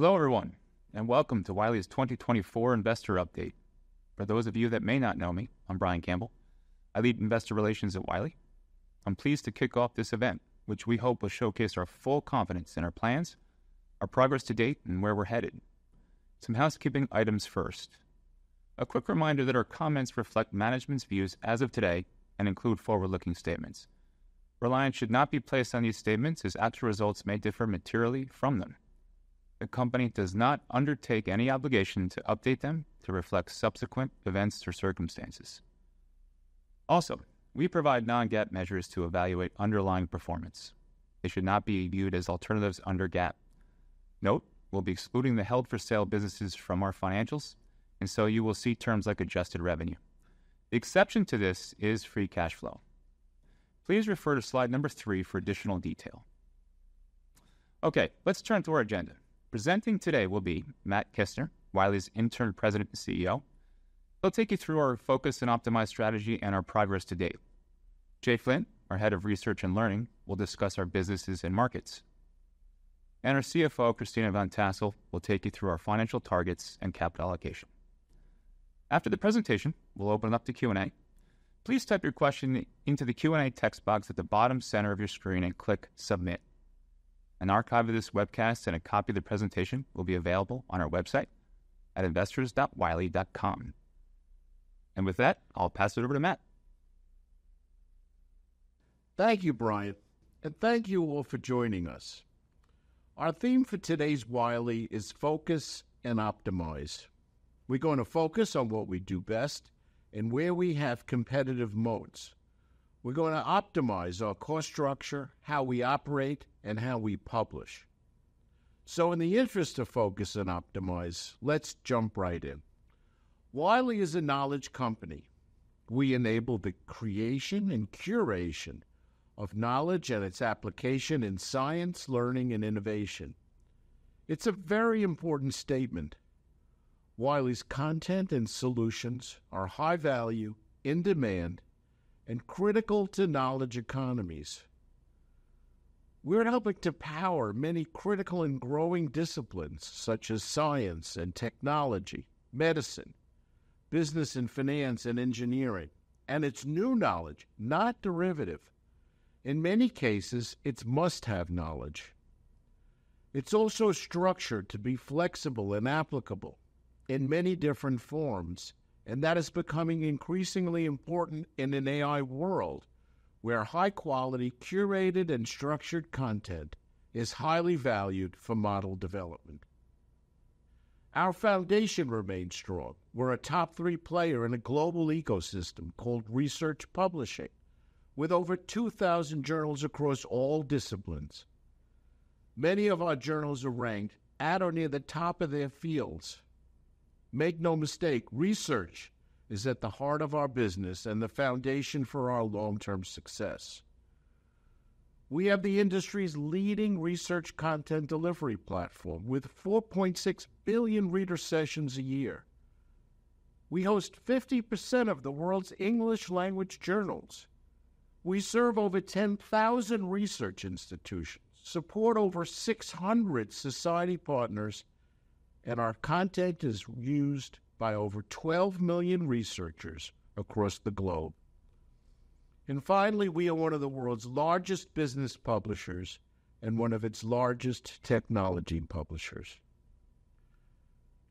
Hello, everyone, and welcome to Wiley's 2024 Investor Update. For those of you that may not know me, I'm Brian Campbell. I lead Investor Relations at Wiley. I'm pleased to kick off this event, which we hope will showcase our full confidence in our plans, our progress to date, and where we're headed. Some housekeeping items first. A quick reminder that our comments reflect management's views as of today and include forward-looking statements. Reliance should not be placed on these statements, as actual results may differ materially from them. The company does not undertake any obligation to update them to reflect subsequent events or circumstances. Also, we provide non-GAAP measures to evaluate underlying performance. They should not be viewed as alternatives under GAAP. Note, we'll be excluding the held-for-sale businesses from our financials, and so you will see terms like adjusted revenue. The exception to this is free cash flow. Please refer to slide number three for additional detail. Okay, let's turn to our agenda. Presenting today will be Matt Kissner, Wiley's Interim President and CEO. He'll take you through our focus and optimized strategy and our progress to date. Jay Flynn, our Head of Research and Learning, will discuss our businesses and markets. And our CFO, Christina Van Tassell, will take you through our financial targets and capital allocation. After the presentation, we'll open it up to Q&A. Please type your question into the Q&A text box at the bottom center of your screen and click Submit. An archive of this webcast and a copy of the presentation will be available on our website at investors.wiley.com. And with that, I'll pass it over to Matt. Thank you, Brian, and thank you all for joining us. Our theme for today's Wiley is Focus and Optimize. We're going to focus on what we do best and where we have competitive moats. We're going to optimize our cost structure, how we operate, and how we publish. So in the interest of focus and optimize, let's jump right in. Wiley is a knowledge company. We enable the creation and curation of knowledge and its application in science, learning, and innovation. It's a very important statement. Wiley's content and solutions are high value, in demand, and critical to knowledge economies. We're helping to power many critical and growing disciplines, such as science and technology, medicine, business and finance, and engineering, and it's new knowledge, not derivative. In many cases, it's must-have knowledge. It's also structured to be flexible and applicable in many different forms, and that is becoming increasingly important in an AI world, where high-quality, curated, and structured content is highly valued for model development. Our foundation remains strong. We're a top three player in a global ecosystem called research publishing, with over 2,000 journals across all disciplines. Many of our journals are ranked at or near the top of their fields. Make no mistake, research is at the heart of our business and the foundation for our long-term success. We have the industry's leading research content delivery platform, with 4.6 billion reader sessions a year. We host 50% of the world's English language journals. We serve over 10,000 research institutions, support over 600 society partners, and our content is used by over 12 million researchers across the globe. Finally, we are one of the world's largest business publishers and one of its largest technology publishers.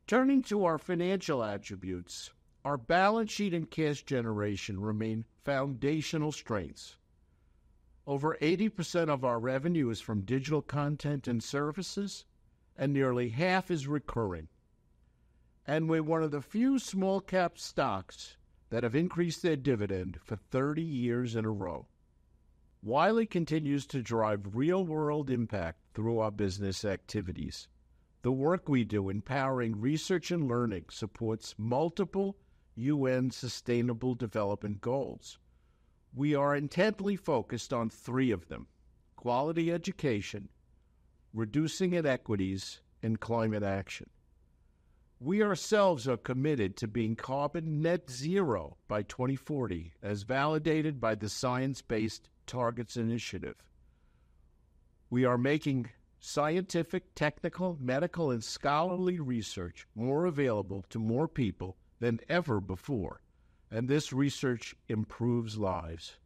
Turning to our financial attributes, our balance sheet and cash generation remain foundational strengths. Over 80% of our revenue is from digital content and services, and nearly half is recurring. We're one of the few small-cap stocks that have increased their dividend for 30 years in a row. Wiley continues to drive real-world impact through our business activities. The work we do in powering research and learning supports multiple UN Sustainable Development Goals. We are intently focused on three of them: quality education, reducing inequities, and climate action. We ourselves are committed to being carbon net zero by 2040, as validated by the Science-Based Targets Initiative. We are making scientific, technical, medical, and scholarly research more available to more people than ever before, and this research improves lives.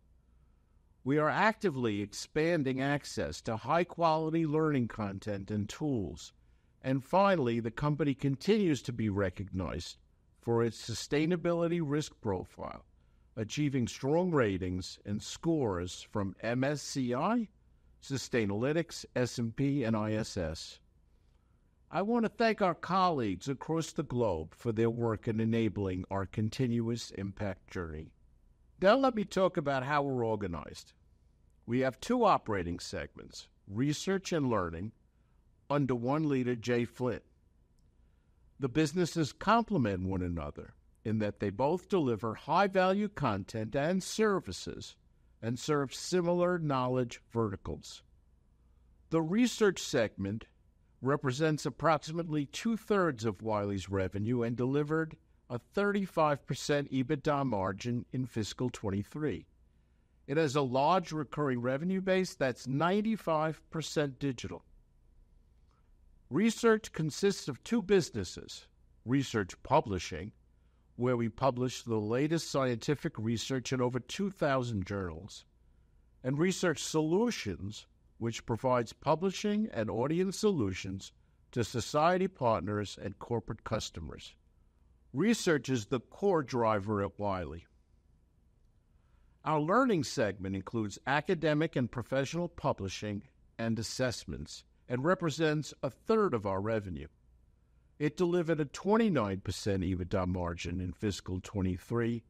We are actively expanding access to high-quality learning content and tools. And finally, the company continues to be recognized for its sustainability risk profile, achieving strong ratings and scores from MSCI, Sustainalytics, S&P, and ISS. I want to thank our colleagues across the globe for their work in enabling our continuous impact journey. Now, let me talk about how we're organized. We have two operating segments, Research and Learning, under one leader, Jay Flynn. The businesses complement one another in that they both deliver high-value content and services and serve similar knowledge verticals. The Research segment represents approximately two-thirds of Wiley's revenue and delivered a 35% EBITDA margin in fiscal 2023.... It has a large recurring revenue base that's 95% digital. Research consists of two businesses: Research Publishing, where we publish the latest scientific research in over 2,000 journals, and Research Solutions, which provides publishing and audience solutions to society partners and corporate customers. Research is the core driver at Wiley. Our Learning segment includes academic and professional publishing and assessments, and represents a third of our revenue. It delivered a 29% EBITDA margin in fiscal 2023,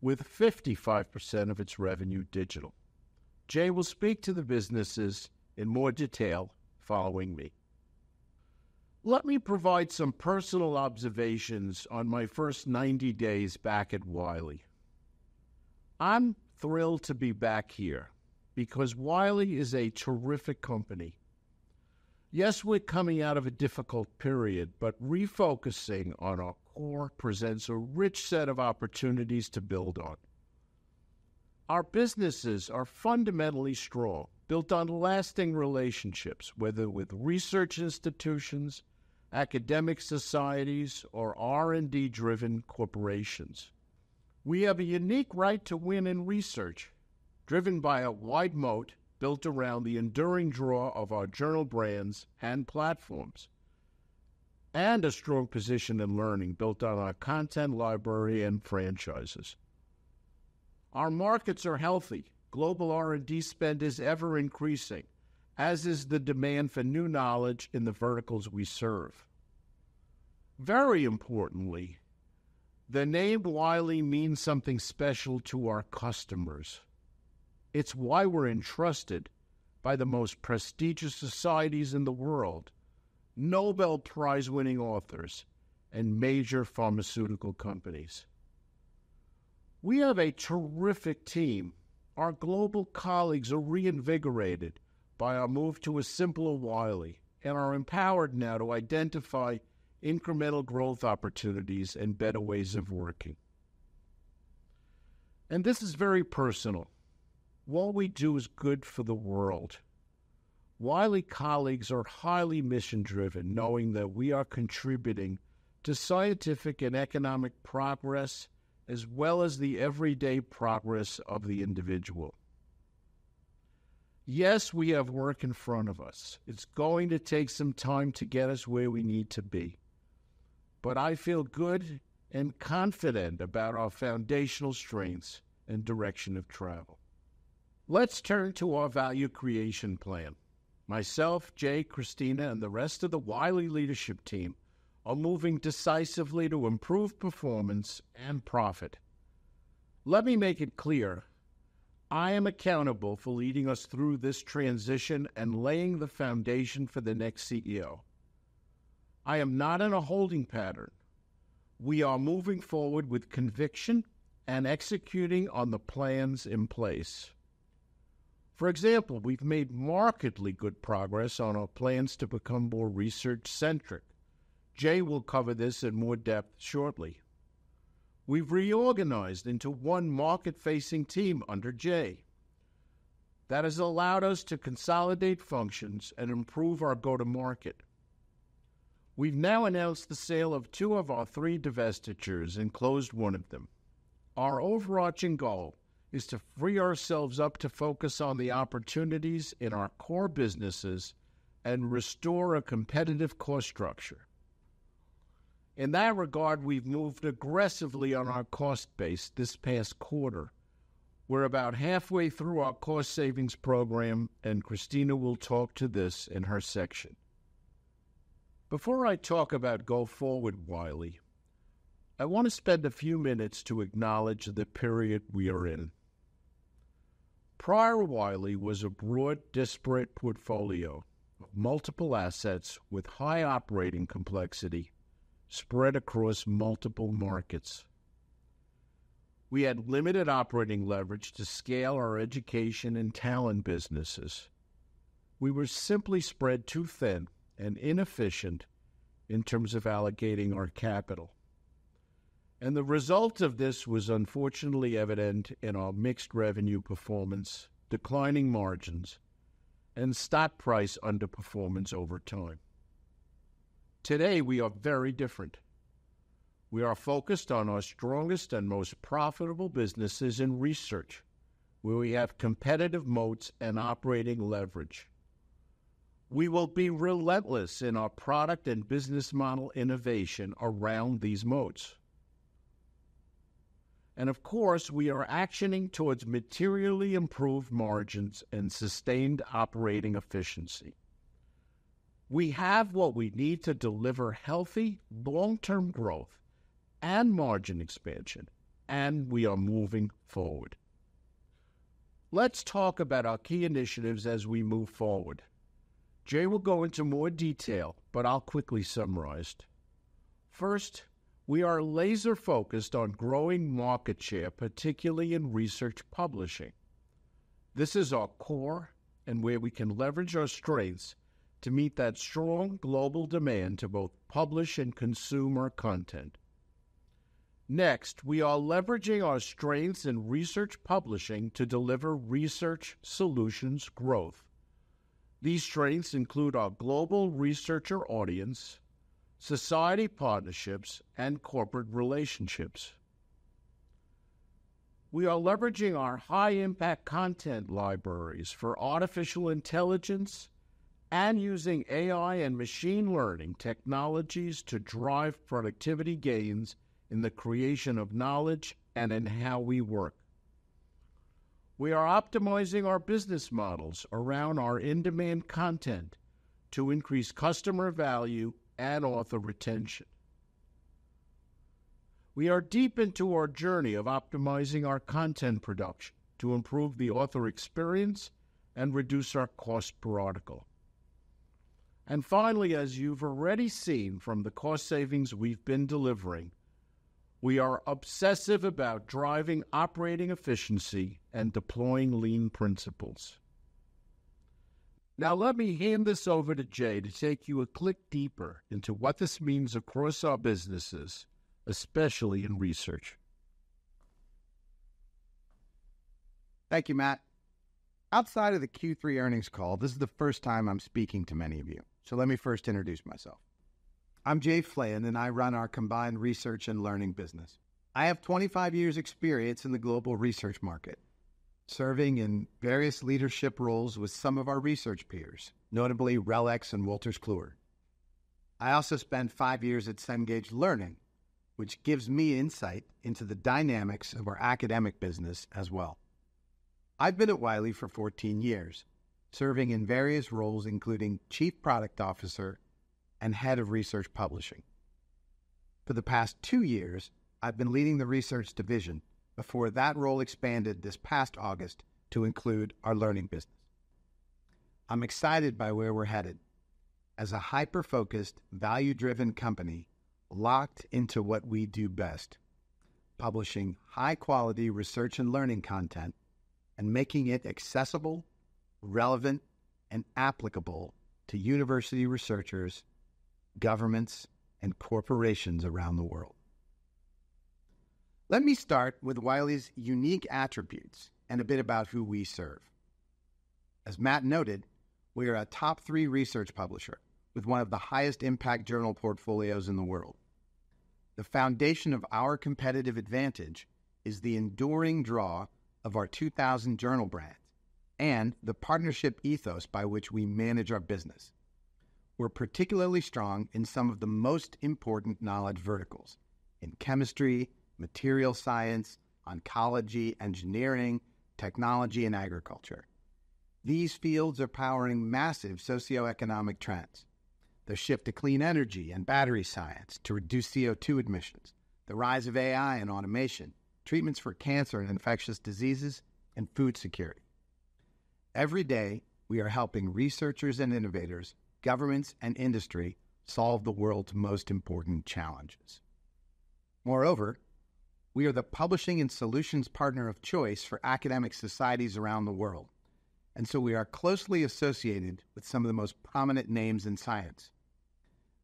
with 55% of its revenue digital. Jay will speak to the businesses in more detail following me. Let me provide some personal observations on my first 90 days back at Wiley. I'm thrilled to be back here, because Wiley is a terrific company. Yes, we're coming out of a difficult period, but refocusing on our core presents a rich set of opportunities to build on. Our businesses are fundamentally strong, built on lasting relationships, whether with research institutions, academic societies, or R&D-driven corporations. We have a unique right to win in research, driven by a wide moat built around the enduring draw of our journal brands and platforms, and a strong position in learning, built on our content library and franchises. Our markets are healthy. Global R&D spend is ever-increasing, as is the demand for new knowledge in the verticals we serve. Very importantly, the name Wiley means something special to our customers. It's why we're entrusted by the most prestigious societies in the world, Nobel Prize-winning authors, and major pharmaceutical companies. We have a terrific team. Our global colleagues are reinvigorated by our move to a simpler Wiley, and are empowered now to identify incremental growth opportunities and better ways of working. This is very personal. What we do is good for the world. Wiley colleagues are highly mission-driven, knowing that we are contributing to scientific and economic progress, as well as the everyday progress of the individual. Yes, we have work in front of us. It's going to take some time to get us where we need to be, but I feel good and confident about our foundational strengths and direction of travel. Let's turn to our value creation plan. Myself, Jay, Christina, and the rest of the Wiley leadership team are moving decisively to improve performance and profit. Let me make it clear, I am accountable for leading us through this transition and laying the foundation for the next CEO. I am not in a holding pattern. We are moving forward with conviction and executing on the plans in place. For example, we've made markedly good progress on our plans to become more research-centric. Jay will cover this in more depth shortly. We've reorganized into one market-facing team under Jay. That has allowed us to consolidate functions and improve our go-to-market. We've now announced the sale of two of our three divestitures and closed one of them. Our overarching goal is to free ourselves up to focus on the opportunities in our core businesses and restore a competitive cost structure. In that regard, we've moved aggressively on our cost base this past quarter. We're about halfway through our cost savings program, and Christina will talk to this in her section. Before I talk about go-forward Wiley, I want to spend a few minutes to acknowledge the period we are in. Prior, Wiley was a broad, disparate portfolio of multiple assets with high operating complexity, spread across multiple markets. We had limited operating leverage to scale our education and talent businesses. We were simply spread too thin and inefficient in terms of allocating our capital, and the result of this was unfortunately evident in our mixed revenue performance, declining margins, and stock price underperformance over time. Today, we are very different. We are focused on our strongest and most profitable businesses in research, where we have competitive moats and operating leverage. We will be relentless in our product and business model innovation around these moats. And of course, we are actioning towards materially improved margins and sustained operating efficiency. We have what we need to deliver healthy, long-term growth and margin expansion, and we are moving forward. Let's talk about our key initiatives as we move forward. Jay will go into more detail, but I'll quickly summarize. First, we are laser-focused on growing market share, particularly in research publishing. This is our core and where we can leverage our strengths to meet that strong global demand to both publish and consume our content. Next, we are leveraging our strengths in research publishing to deliver research solutions growth. These strengths include our global researcher audience, society partnerships, and corporate relationships. We are leveraging our high-impact content libraries for artificial intelligence and using AI and machine learning technologies to drive productivity gains in the creation of knowledge and in how we work. We are optimizing our business models around our in-demand content to increase customer value and author retention. We are deep into our journey of optimizing our content production to improve the author experience and reduce our cost per article. Finally, as you've already seen from the cost savings we've been delivering, we are obsessive about driving operating efficiency and deploying lean principles. Now, let me hand this over to Jay to take you a click deeper into what this means across our businesses, especially in research. Thank you, Matt. Outside of the Q3 earnings call, this is the first time I'm speaking to many of you, so let me first introduce myself. I'm Jay Flynn, and I run our combined research and learning business. I have 25 years experience in the global research market, serving in various leadership roles with some of our research peers, notably RELX and Wolters Kluwer. I also spent five years at Cengage Learning, which gives me insight into the dynamics of our academic business as well. I've been at Wiley for 14 years, serving in various roles, including Chief Product Officer and Head of Research Publishing. For the past two years, I've been leading the research division, before that role expanded this past August to include our learning business. I'm excited by where we're headed as a hyper-focused, value-driven company, locked into what we do best: publishing high-quality research and learning content and making it accessible, relevant, and applicable to university researchers, governments, and corporations around the world. Let me start with Wiley's unique attributes and a bit about who we serve. As Matt noted, we are a top three research publisher with one of the highest impact journal portfolios in the world. The foundation of our competitive advantage is the enduring draw of our 2,000 journal brands and the partnership ethos by which we manage our business. We're particularly strong in some of the most important knowledge verticals, in chemistry, material science, oncology, engineering, technology, and agriculture. These fields are powering massive socioeconomic trends: the shift to clean energy and battery science to reduce CO2 emissions, the rise of AI and automation, treatments for cancer and infectious diseases, and food security. Every day, we are helping researchers and innovators, governments, and industry solve the world's most important challenges. Moreover, we are the publishing and solutions partner of choice for academic societies around the world, and so we are closely associated with some of the most prominent names in science.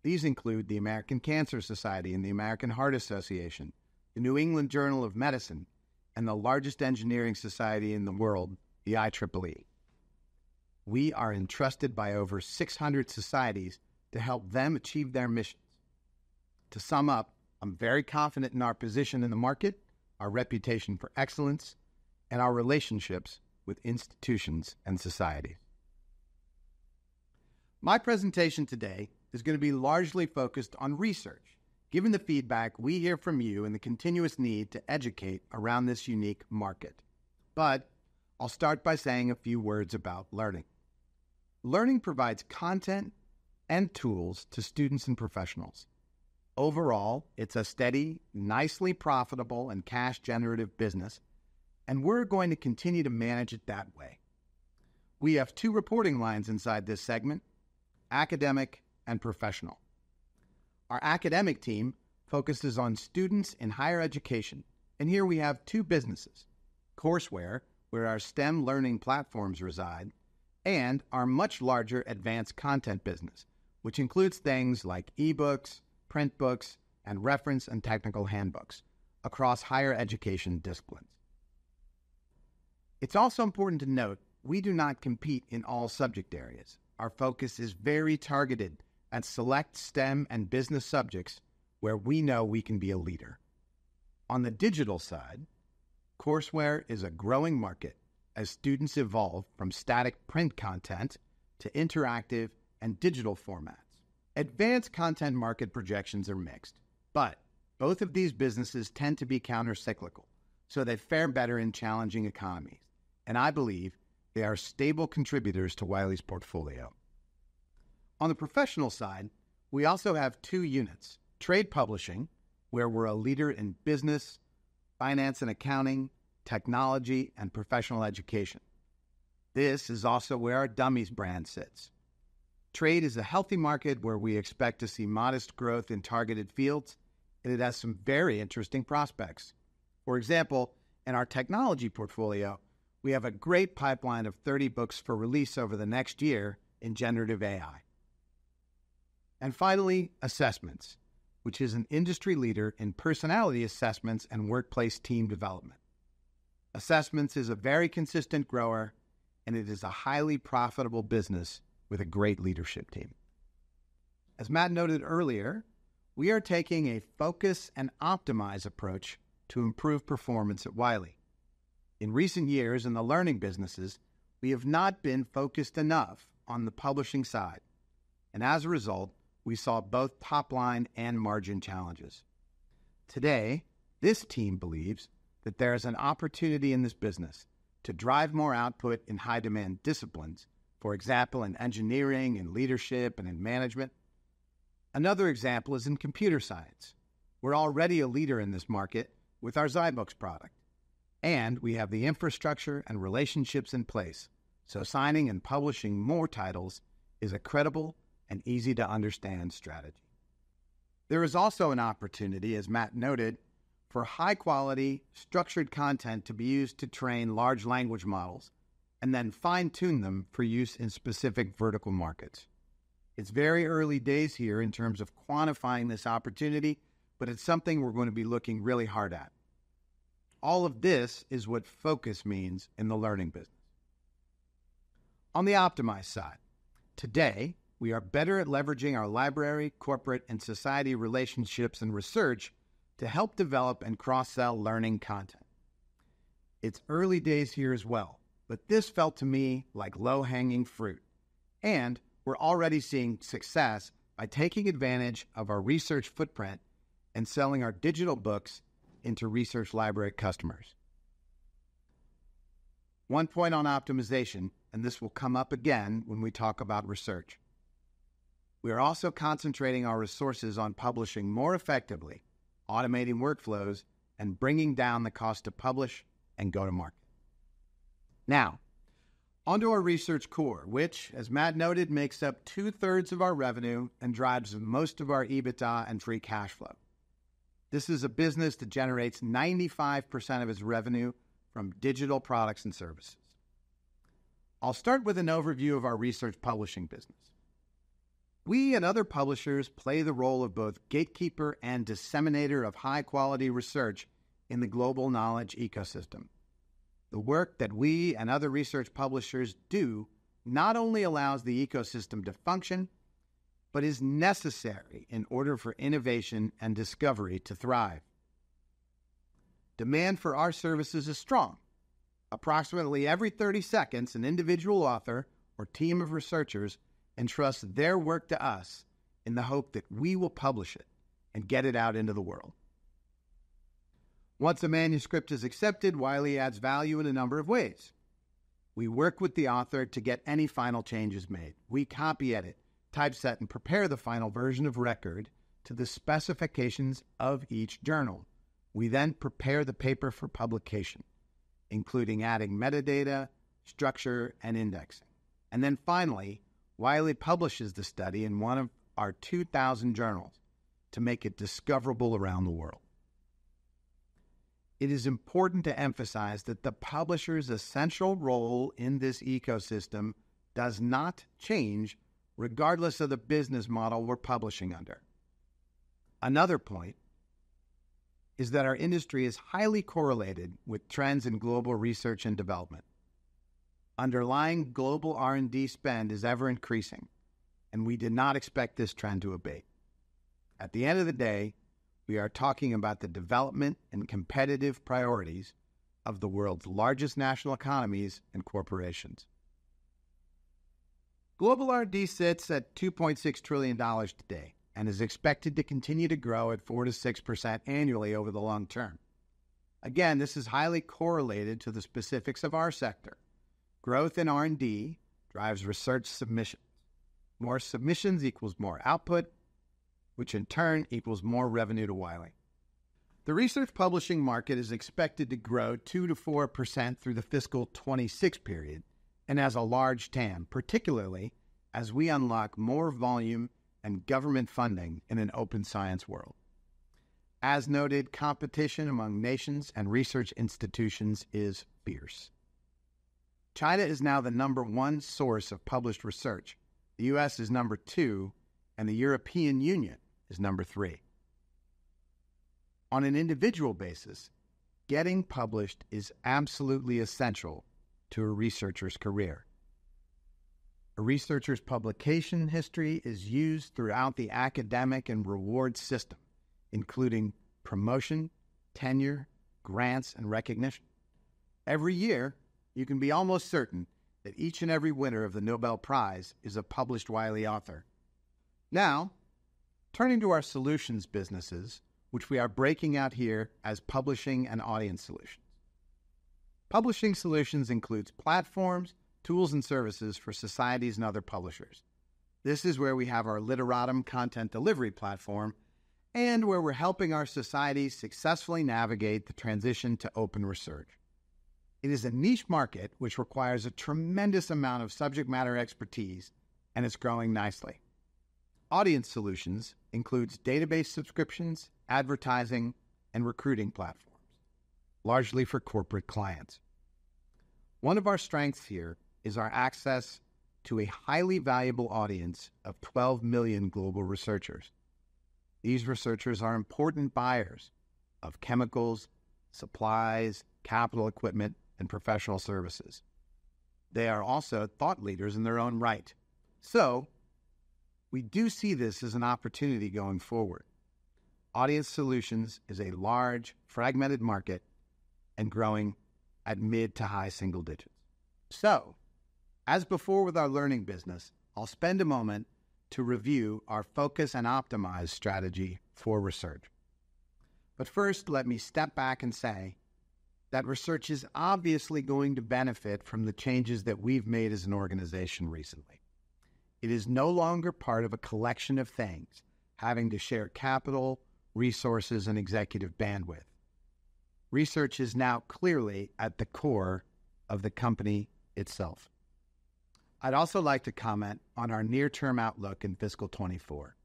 These include the American Cancer Society and the American Heart Association, the New England Journal of Medicine, and the largest engineering society in the world, the IEEE. We are entrusted by over 600 societies to help them achieve their missions. To sum up, I'm very confident in our position in the market, our reputation for excellence, and our relationships with institutions and society. My presentation today is going to be largely focused on research, given the feedback we hear from you and the continuous need to educate around this unique market. But I'll start by saying a few words about learning. Learning provides content and tools to students and professionals. Overall, it's a steady, nicely profitable, and cash-generative business, and we're going to continue to manage it that way. We have two reporting lines inside this segment: academic and professional. Our academic team focuses on students in higher education, and here we have two businesses, courseware, where our STEM learning platforms reside, and our much larger advanced content business, which includes things like e-books, print books, and reference and technical handbooks across higher education disciplines. It's also important to note, we do not compete in all subject areas. Our focus is very targeted at select STEM and business subjects where we know we can be a leader. On the digital side, courseware is a growing market as students evolve from static print content to interactive and digital formats. Advanced content market projections are mixed, but both of these businesses tend to be countercyclical, so they fare better in challenging economies, and I believe they are stable contributors to Wiley's portfolio. On the professional side, we also have two units, trade publishing, where we're a leader in business, finance and accounting, technology, and Professional Education. This is also where our Dummies brand sits. Trade is a healthy market where we expect to see modest growth in targeted fields, and it has some very interesting prospects. For example, in our technology portfolio, we have a great pipeline of 30 books for release over the next year in generative AI.... Finally, Assessments, which is an industry leader in personality assessments and workplace team development. Assessments is a very consistent grower, and it is a highly profitable business with a great leadership team. As Matt noted earlier, we are taking a focus and optimize approach to improve performance at Wiley. In recent years, in the learning businesses, we have not been focused enough on the publishing side, and as a result, we saw both top line and margin challenges. Today, this team believes that there is an opportunity in this business to drive more output in high-demand disciplines, for example, in engineering and leadership and in management. Another example is in computer science. We're already a leader in this market with our zyBooks product, and we have the infrastructure and relationships in place, so signing and publishing more titles is a credible and easy-to-understand strategy. There is also an opportunity, as Matt noted, for high-quality, structured content to be used to train large language models and then fine-tune them for use in specific vertical markets. It's very early days here in terms of quantifying this opportunity, but it's something we're going to be looking really hard at. All of this is what focus means in the learning business. On the optimized side, today, we are better at leveraging our library, corporate, and society relationships and research to help develop and cross-sell learning content. It's early days here as well, but this felt to me like low-hanging fruit, and we're already seeing success by taking advantage of our research footprint and selling our digital books into research library customers. One point on optimization, and this will come up again when we talk about research. We are also concentrating our resources on publishing more effectively, automating workflows, and bringing down the cost to publish and go to market. Now, onto our research core, which, as Matt noted, makes up 2/3 of our revenue and drives most of our EBITDA and free cash flow. This is a business that generates 95% of its revenue from digital products and services. I'll start with an overview of our research publishing business. We and other publishers play the role of both gatekeeper and disseminator of high-quality research in the global knowledge ecosystem. The work that we and other research publishers do not only allows the ecosystem to function, but is necessary in order for innovation and discovery to thrive. Demand for our services is strong. Approximately every 30 seconds, an individual author or team of researchers entrust their work to us in the hope that we will publish it and get it out into the world. Once a manuscript is accepted, Wiley adds value in a number of ways. We work with the author to get any final changes made. We copy-edit, typeset, and prepare the final version of record to the specifications of each journal. We then prepare the paper for publication, including adding metadata, structure, and indexing. Then finally, Wiley publishes the study in one of our 2,000 journals to make it discoverable around the world. It is important to emphasize that the publisher's essential role in this ecosystem does not change regardless of the business model we're publishing under. Another point is that our industry is highly correlated with trends in global research and development. Underlying global R&D spend is ever-increasing, and we do not expect this trend to abate. At the end of the day, we are talking about the development and competitive priorities of the world's largest national economies and corporations. Global R&D sits at $2.6 trillion today and is expected to continue to grow at 4%-6% annually over the long term. Again, this is highly correlated to the specifics of our sector. Growth in R&D drives research submissions. More submissions equals more output, which in turn equals more revenue to Wiley. The research publishing market is expected to grow 2%-4% through the fiscal 2026 period and has a large TAM, particularly as we unlock more volume and government funding in an open science world. As noted, competition among nations and research institutions is fierce. China is now the number one source of published research, the U.S. is number two, and the European Union is number three. On an individual basis, getting published is absolutely essential to a researcher's career. A researcher's publication history is used throughout the academic and reward system, including promotion, tenure, grants, and recognition. Every year, you can be almost certain that each and every winner of the Nobel Prize is a published Wiley author. Now, turning to our solutions businesses, which we are breaking out here as publishing and audience solutions. Publishing Solutions includes platforms, tools, and services for societies and other publishers. This is where we have our Literatum content delivery platform and where we're helping our societies successfully navigate the transition to open research. It is a niche market, which requires a tremendous amount of subject matter expertise, and it's growing nicely. Audience Solutions includes database subscriptions, advertising, and recruiting platforms, largely for corporate clients. One of our strengths here is our access to a highly valuable audience of 12 million global researchers. These researchers are important buyers of chemicals, supplies, capital equipment, and professional services. They are also thought leaders in their own right. So we do see this as an opportunity going forward. Audience Solutions is a large, fragmented market and growing at mid- to high-single digits. So as before with our learning business, I'll spend a moment to review our focus and optimize strategy for research. But first, let me step back and say that research is obviously going to benefit from the changes that we've made as an organization recently. It is no longer part of a collection of things, having to share capital, resources, and executive bandwidth. Research is now clearly at the core of the company itself. I'd also like to comment on our near-term outlook in fiscal 2024.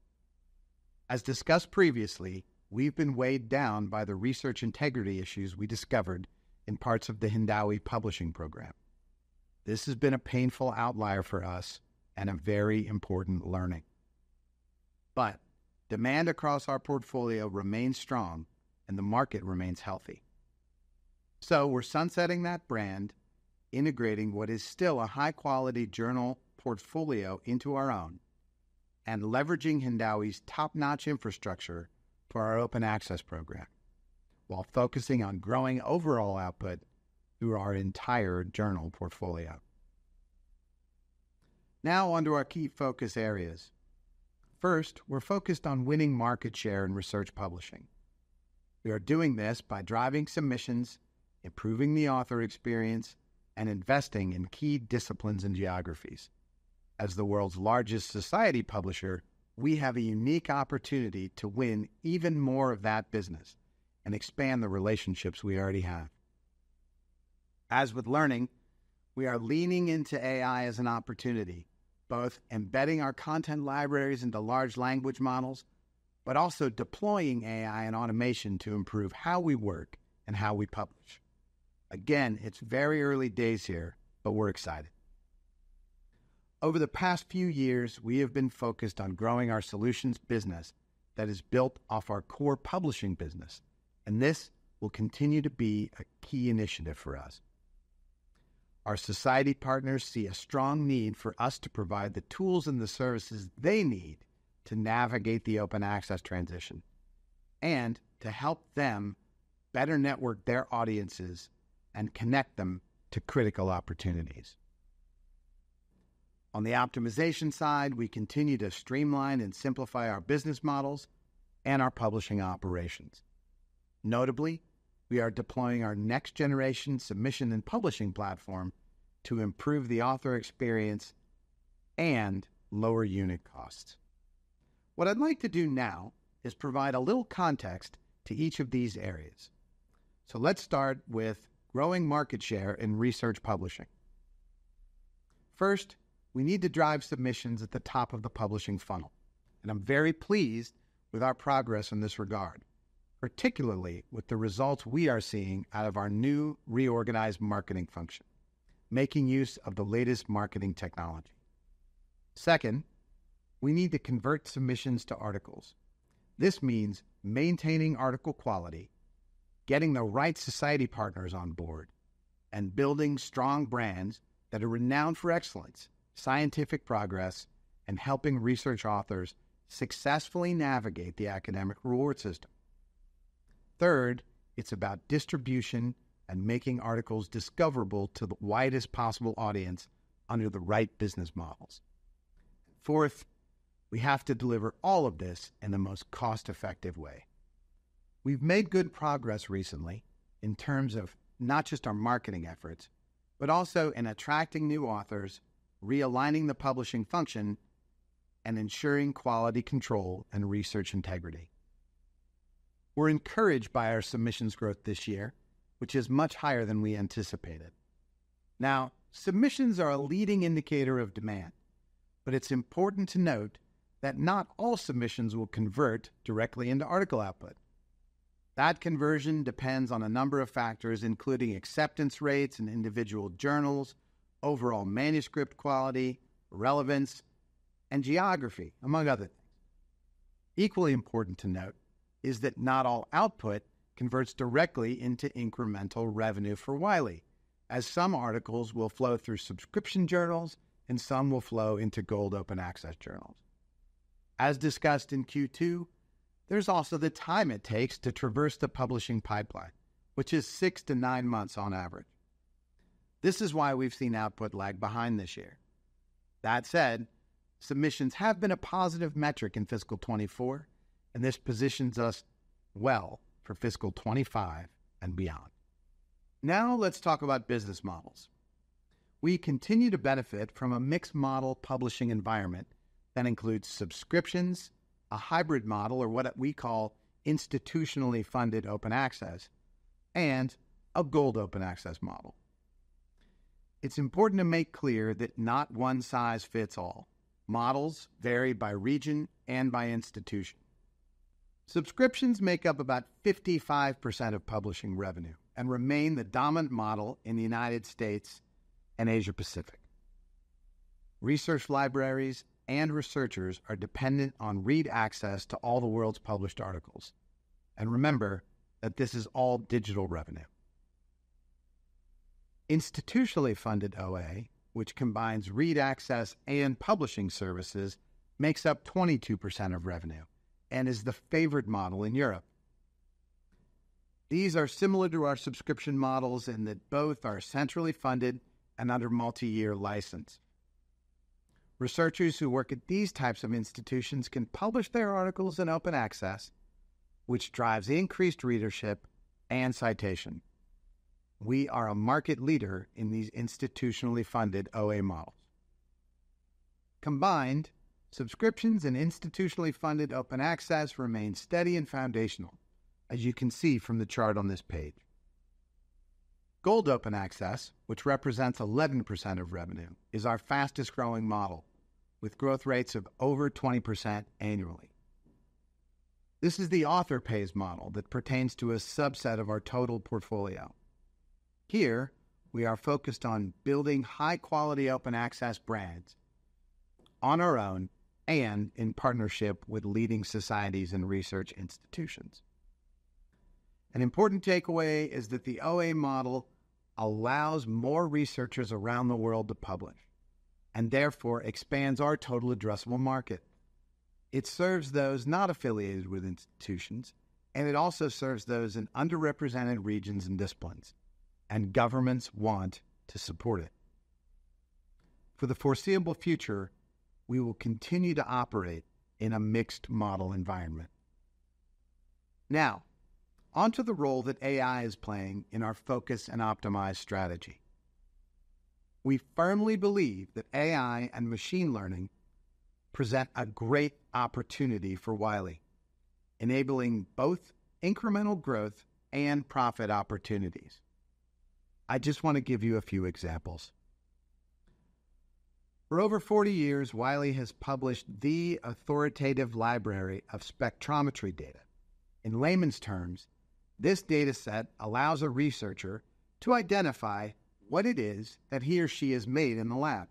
As discussed previously, we've been weighed down by the research integrity issues we discovered in parts of the Hindawi Publishing Program. This has been a painful outlier for us and a very important learning. But demand across our portfolio remains strong and the market remains healthy. So we're sunsetting that brand, integrating what is still a high-quality journal portfolio into our own, and leveraging Hindawi's top-notch infrastructure for our open access program, while focusing on growing overall output through our entire journal portfolio. Now, on to our key focus areas. First, we're focused on winning market share and research publishing. We are doing this by driving submissions, improving the author experience, and investing in key disciplines and geographies. As the world's largest society publisher, we have a unique opportunity to win even more of that business and expand the relationships we already have. As with learning, we are leaning into AI as an opportunity, both embedding our content libraries into large language models, but also deploying AI and automation to improve how we work and how we publish. Again, it's very early days here, but we're excited. Over the past few years, we have been focused on growing our solutions business that is built off our core publishing business, and this will continue to be a key initiative for us. Our society partners see a strong need for us to provide the tools and the services they need to navigate the open access transition, and to help them better network their audiences and connect them to critical opportunities. On the optimization side, we continue to streamline and simplify our business models and our publishing operations. Notably, we are deploying our next generation submission and publishing platform to improve the author experience and lower unit costs. What I'd like to do now is provide a little context to each of these areas. So let's start with growing market share in research publishing. First, we need to drive submissions at the top of the publishing funnel, and I'm very pleased with our progress in this regard, particularly with the results we are seeing out of our new reorganized marketing function, making use of the latest marketing technology. Second, we need to convert submissions to articles. This means maintaining article quality, getting the right society partners on board, and building strong brands that are renowned for excellence, scientific progress, and helping research authors successfully navigate the academic reward system. Third, it's about distribution and making articles discoverable to the widest possible audience under the right business models. Fourth, we have to deliver all of this in the most cost-effective way. We've made good progress recently in terms of not just our marketing efforts, but also in attracting new authors, realigning the publishing function, and ensuring quality control and research integrity. We're encouraged by our submissions growth this year, which is much higher than we anticipated. Now, submissions are a leading indicator of demand, but it's important to note that not all submissions will convert directly into article output. That conversion depends on a number of factors, including acceptance rates in individual journals, overall manuscript quality, relevance, and geography, among other things. Equally important to note is that not all output converts directly into incremental revenue for Wiley, as some articles will flow through subscription journals and some will flow into gold open access journals. As discussed in Q2, there's also the time it takes to traverse the publishing pipeline, which is six to nine months on average. This is why we've seen output lag behind this year. That said, submissions have been a positive metric in fiscal 2024, and this positions us well for fiscal 2025 and beyond. Now, let's talk about business models. We continue to benefit from a mixed-model publishing environment that includes subscriptions, a hybrid model, or what we call institutionally funded open access, and a gold open access model. It's important to make clear that not one size fits all. Models vary by region and by institution.... Subscriptions make up about 55% of publishing revenue and remain the dominant model in the United States and Asia Pacific. Research libraries and researchers are dependent on read access to all the world's published articles, and remember that this is all digital revenue. Institutionally funded OA, which combines read access and publishing services, makes up 22% of revenue and is the favorite model in Europe. These are similar to our subscription models in that both are centrally funded and under multi-year license. Researchers who work at these types of institutions can publish their articles in open access, which drives increased readership and citation. We are a market leader in these institutionally funded OA models. Combined, subscriptions and institutionally funded open access remain steady and foundational, as you can see from the chart on this page. Gold open access, which represents 11% of revenue, is our fastest growing model, with growth rates of over 20% annually. This is the author pays model that pertains to a subset of our total portfolio. Here, we are focused on building high-quality open access brands on our own and in partnership with leading societies and research institutions. An important takeaway is that the OA model allows more researchers around the world to publish, and therefore expands our total addressable market. It serves those not affiliated with institutions, and it also serves those in underrepresented regions and disciplines, and governments want to support it. For the foreseeable future, we will continue to operate in a mixed model environment. Now, on to the role that AI is playing in our focus and optimized strategy. We firmly believe that AI and machine learning present a great opportunity for Wiley, enabling both incremental growth and profit opportunities. I just want to give you a few examples. For over 40 years, Wiley has published the authoritative library of spectrometry data. In layman's terms, this data set allows a researcher to identify what it is that he or she has made in the lab.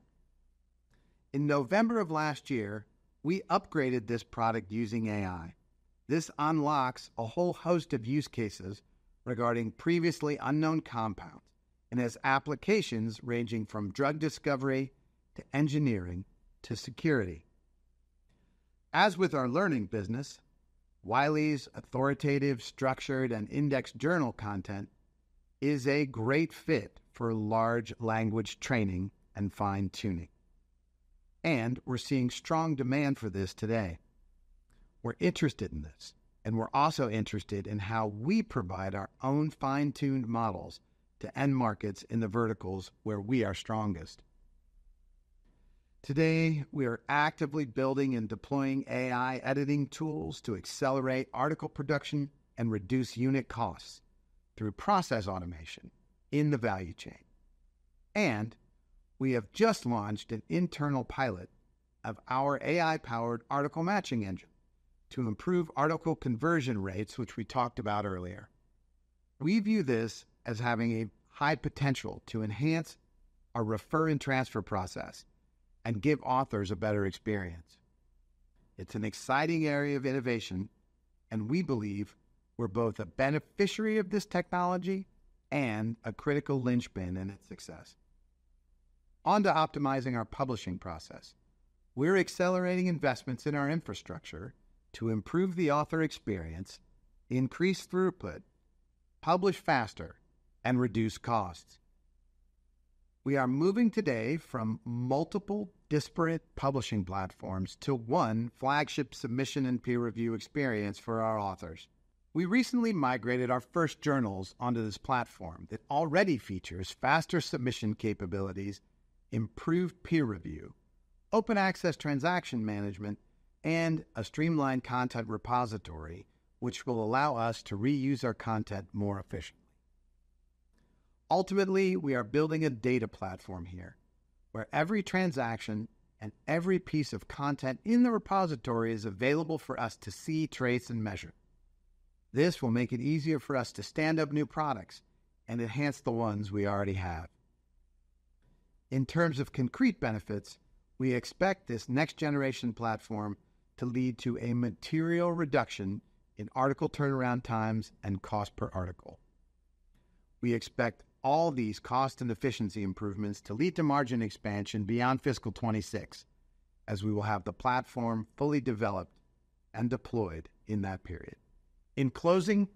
In November of last year, we upgraded this product using AI. This unlocks a whole host of use cases regarding previously unknown compounds, and has applications ranging from drug discovery, to engineering, to security. As with our learning business, Wiley's authoritative, structured, and indexed journal content is a great fit for large language training and fine-tuning, and we're seeing strong demand for this today. We're interested in this, and we're also interested in how we provide our own fine-tuned models to end markets in the verticals where we are strongest. Today, we are actively building and deploying AI editing tools to accelerate article production and reduce unit costs through process automation in the value chain. We have just launched an internal pilot of our AI-powered article matching engine to improve article conversion rates, which we talked about earlier. We view this as having a high potential to enhance our refer and transfer process and give authors a better experience. It's an exciting area of innovation, and we believe we're both a beneficiary of this technology and a critical linchpin in its success. On to optimizing our publishing process. We're accelerating investments in our infrastructure to improve the author experience, increase throughput, publish faster, and reduce costs. We are moving today from multiple disparate publishing platforms to one flagship submission and peer review experience for our authors. We recently migrated our first journals onto this platform that already features faster submission capabilities, improved peer review, open access transaction management, and a streamlined content repository, which will allow us to reuse our content more efficiently. Ultimately, we are building a data platform here, where every transaction and every piece of content in the repository is available for us to see, trace, and measure. This will make it easier for us to stand up new products and enhance the ones we already have. In terms of concrete benefits, we expect this next generation platform to lead to a material reduction in article turnaround times and cost per article. We expect all these cost and efficiency improvements to lead to margin expansion beyond fiscal 2026, as we will have the platform fully developed and deployed in that period. In closing,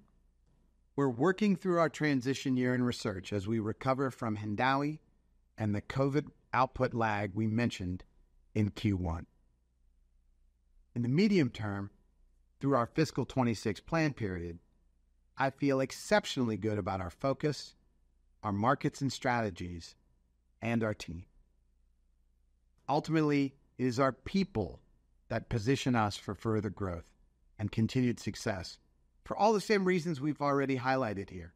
we're working through our transition year in research as we recover from Hindawi and the COVID output lag we mentioned in Q1. In the medium term, through our fiscal 2026 plan period, I feel exceptionally good about our focus, our markets and strategies, and our team. Ultimately, it is our people that position us for further growth and continued success for all the same reasons we've already highlighted here....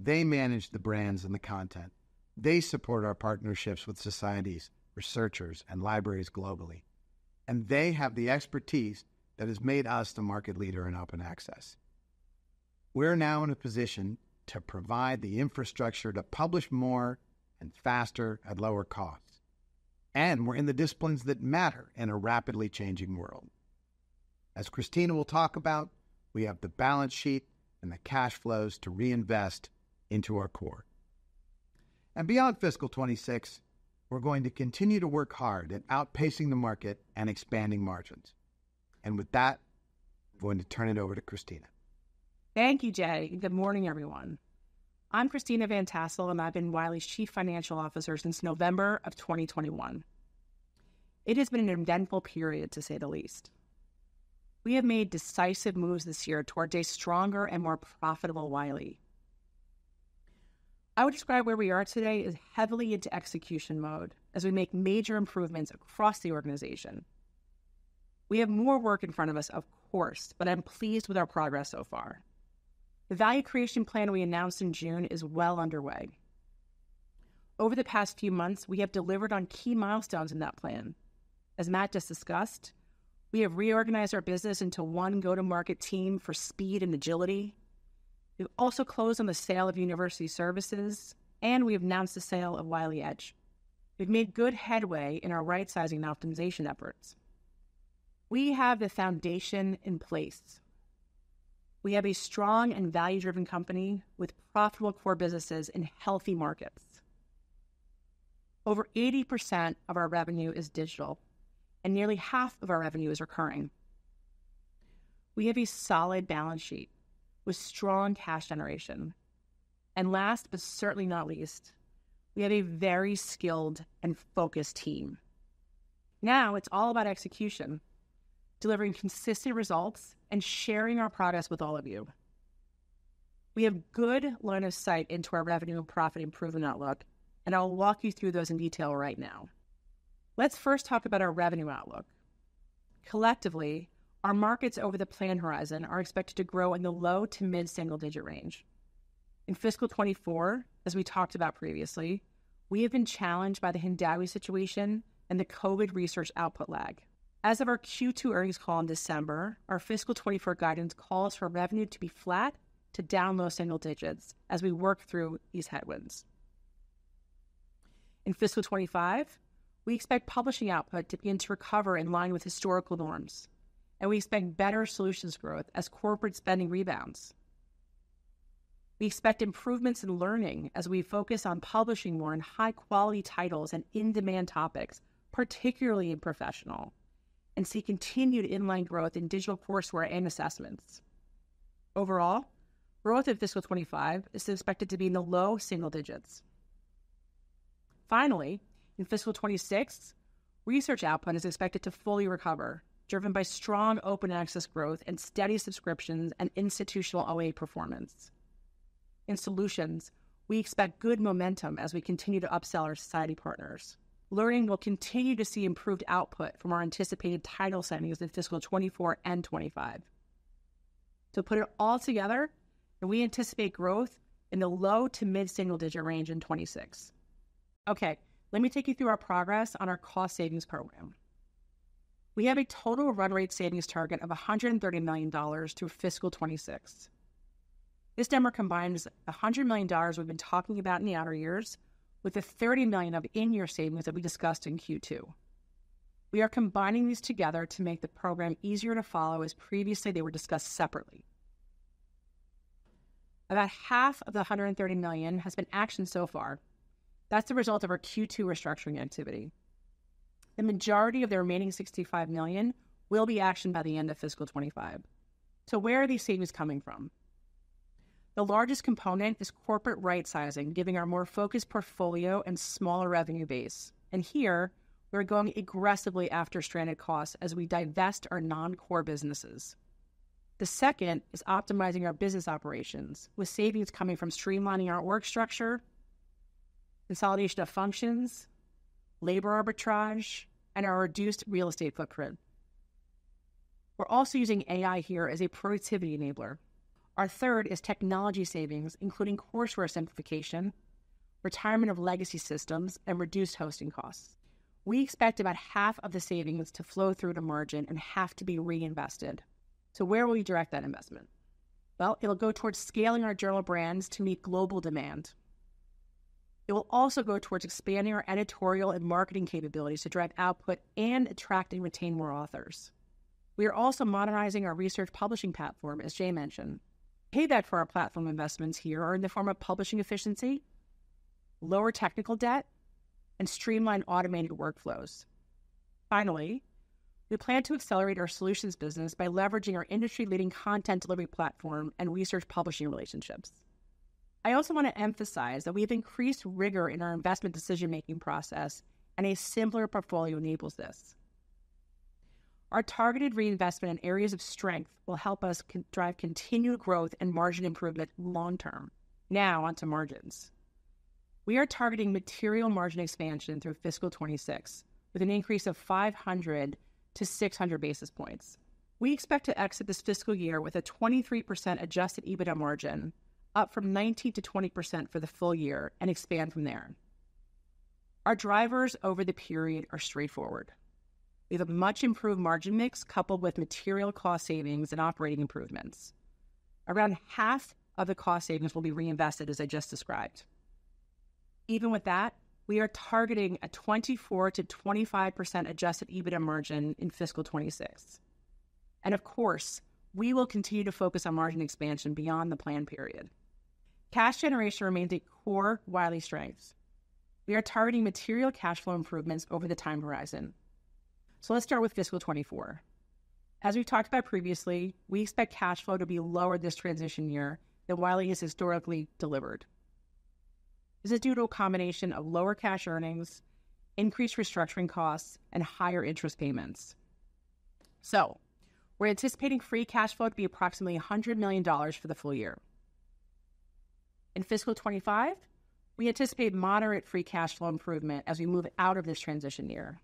They manage the brands and the content. They support our partnerships with societies, researchers, and libraries globally, and they have the expertise that has made us the market leader in open access. We're now in a position to provide the infrastructure to publish more and faster at lower costs, and we're in the disciplines that matter in a rapidly changing world. As Christina will talk about, we have the balance sheet and the cash flows to reinvest into our core. Beyond fiscal 2026, we're going to continue to work hard at outpacing the market and expanding margins. With that, I'm going to turn it over to Christina. Thank you, Jay. Good morning, everyone. I'm Christina Van Tassell, and I've been Wiley's Chief Financial Officer since November of 2021. It has been an eventful period, to say the least. We have made decisive moves this year toward a stronger and more profitable Wiley. I would describe where we are today as heavily into execution mode as we make major improvements across the organization. We have more work in front of us, of course, but I'm pleased with our progress so far. The value creation plan we announced in June is well underway. Over the past few months, we have delivered on key milestones in that plan. As Matt just discussed, we have reorganized our business into one go-to-market team for speed and agility. We've also closed on the sale of University Services, and we have announced the sale of Wiley Edge. We've made good headway in our rightsizing and optimization efforts. We have the foundation in place. We have a strong and value-driven company with profitable core businesses in healthy markets. Over 80% of our revenue is digital, and nearly half of our revenue is recurring. We have a solid balance sheet with strong cash generation. And last, but certainly not least, we have a very skilled and focused team. Now, it's all about execution, delivering consistent results, and sharing our progress with all of you. We have good line of sight into our revenue and profit improvement outlook, and I'll walk you through those in detail right now. Let's first talk about our revenue outlook. Collectively, our markets over the plan horizon are expected to grow in the low to mid-single-digit range. In fiscal 2024, as we talked about previously, we have been challenged by the Hindawi situation and the COVID research output lag. As of our Q2 earnings call in December, our fiscal 2024 guidance calls for revenue to be flat to down low single digits as we work through these headwinds. In fiscal 2025, we expect publishing output to begin to recover in line with historical norms, and we expect better solutions growth as corporate spending rebounds. We expect improvements in learning as we focus on publishing more in high-quality titles and in-demand topics, particularly in professional, and see continued in-line growth in digital courseware and assessments. Overall, growth in fiscal 2025 is expected to be in the low single digits. Finally, in fiscal 2026, research output is expected to fully recover, driven by strong open access growth and steady subscriptions and institutional OA performance. In solutions, we expect good momentum as we continue to upsell our society partners. Learning will continue to see improved output from our anticipated title savings in fiscal 2024 and 2025. To put it all together, we anticipate growth in the low to mid-single-digit range in 2026. Okay, let me take you through our progress on our cost savings program. We have a total run rate savings target of $130 million through fiscal 2026. This number combines $100 million we've been talking about in the outer years, with the $30 million of in-year savings that we discussed in Q2. We are combining these together to make the program easier to follow, as previously they were discussed separately. About half of the $130 million has been actioned so far. That's the result of our Q2 restructuring activity. The majority of the remaining $65 million will be actioned by the end of fiscal 2025. So where are these savings coming from? The largest component is corporate rightsizing, giving our more focused portfolio and smaller revenue base. And here we're going aggressively after stranded costs as we divest our non-core businesses. The second is optimizing our business operations, with savings coming from streamlining our org structure, consolidation of functions, labor arbitrage, and our reduced real estate footprint. We're also using AI here as a productivity enabler. Our third is technology savings, including courseware simplification, retirement of legacy systems, and reduced hosting costs. We expect about half of the savings to flow through to margin and half to be reinvested. So where will we direct that investment? Well, it'll go towards scaling our journal brands to meet global demand. It will also go towards expanding our editorial and marketing capabilities to drive output and attract and retain more authors. We are also modernizing our research publishing platform, as Jay mentioned. Payback for our platform investments here are in the form of publishing efficiency, lower technical debt, and streamlined automated workflows. Finally, we plan to accelerate our solutions business by leveraging our industry-leading content delivery platform and research publishing relationships. I also want to emphasize that we have increased rigor in our investment decision-making process, and a simpler portfolio enables this. Our targeted reinvestment in areas of strength will help us drive continued growth and margin improvement long term. Now on to margins. We are targeting material margin expansion through fiscal 2026, with an increase of 500-600 basis points. We expect to exit this fiscal year with a 23% Adjusted EBITDA margin, up from 19%-20% for the full year, and expand from there. Our drivers over the period are straightforward. We have a much improved margin mix, coupled with material cost savings and operating improvements. Around half of the cost savings will be reinvested, as I just described. Even with that, we are targeting a 24%-25% Adjusted EBITDA margin in fiscal 2026. Of course, we will continue to focus on margin expansion beyond the plan period. Cash generation remains a core Wiley strength. We are targeting material cash flow improvements over the time horizon. So let's start with fiscal 2024. As we've talked about previously, we expect cash flow to be lower this transition year than Wiley has historically delivered. This is due to a combination of lower cash earnings, increased restructuring costs, and higher interest payments. So we're anticipating free cash flow to be approximately $100 million for the full year. In fiscal 2025, we anticipate moderate free cash flow improvement as we move out of this transition year.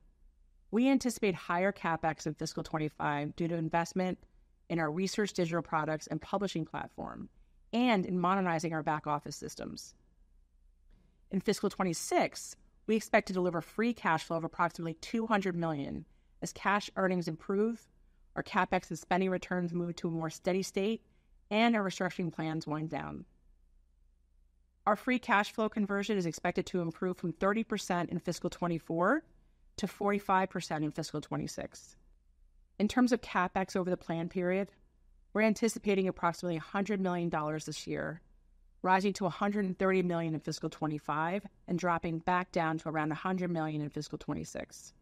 We anticipate higher CapEx in fiscal 2025, due to investment in our research, digital products, and publishing platform, and in modernizing our back office systems. In fiscal 2026, we expect to deliver free cash flow of approximately $200 million. As cash earnings improve, our CapEx and spending returns move to a more steady state and our restructuring plans wind down. Our free cash flow conversion is expected to improve from 30% in fiscal 2024 to 45% in fiscal 2026. In terms of CapEx over the plan period, we're anticipating approximately $100 million this year, rising to $130 million in fiscal 2025, and dropping back down to around $100 million in fiscal 2026.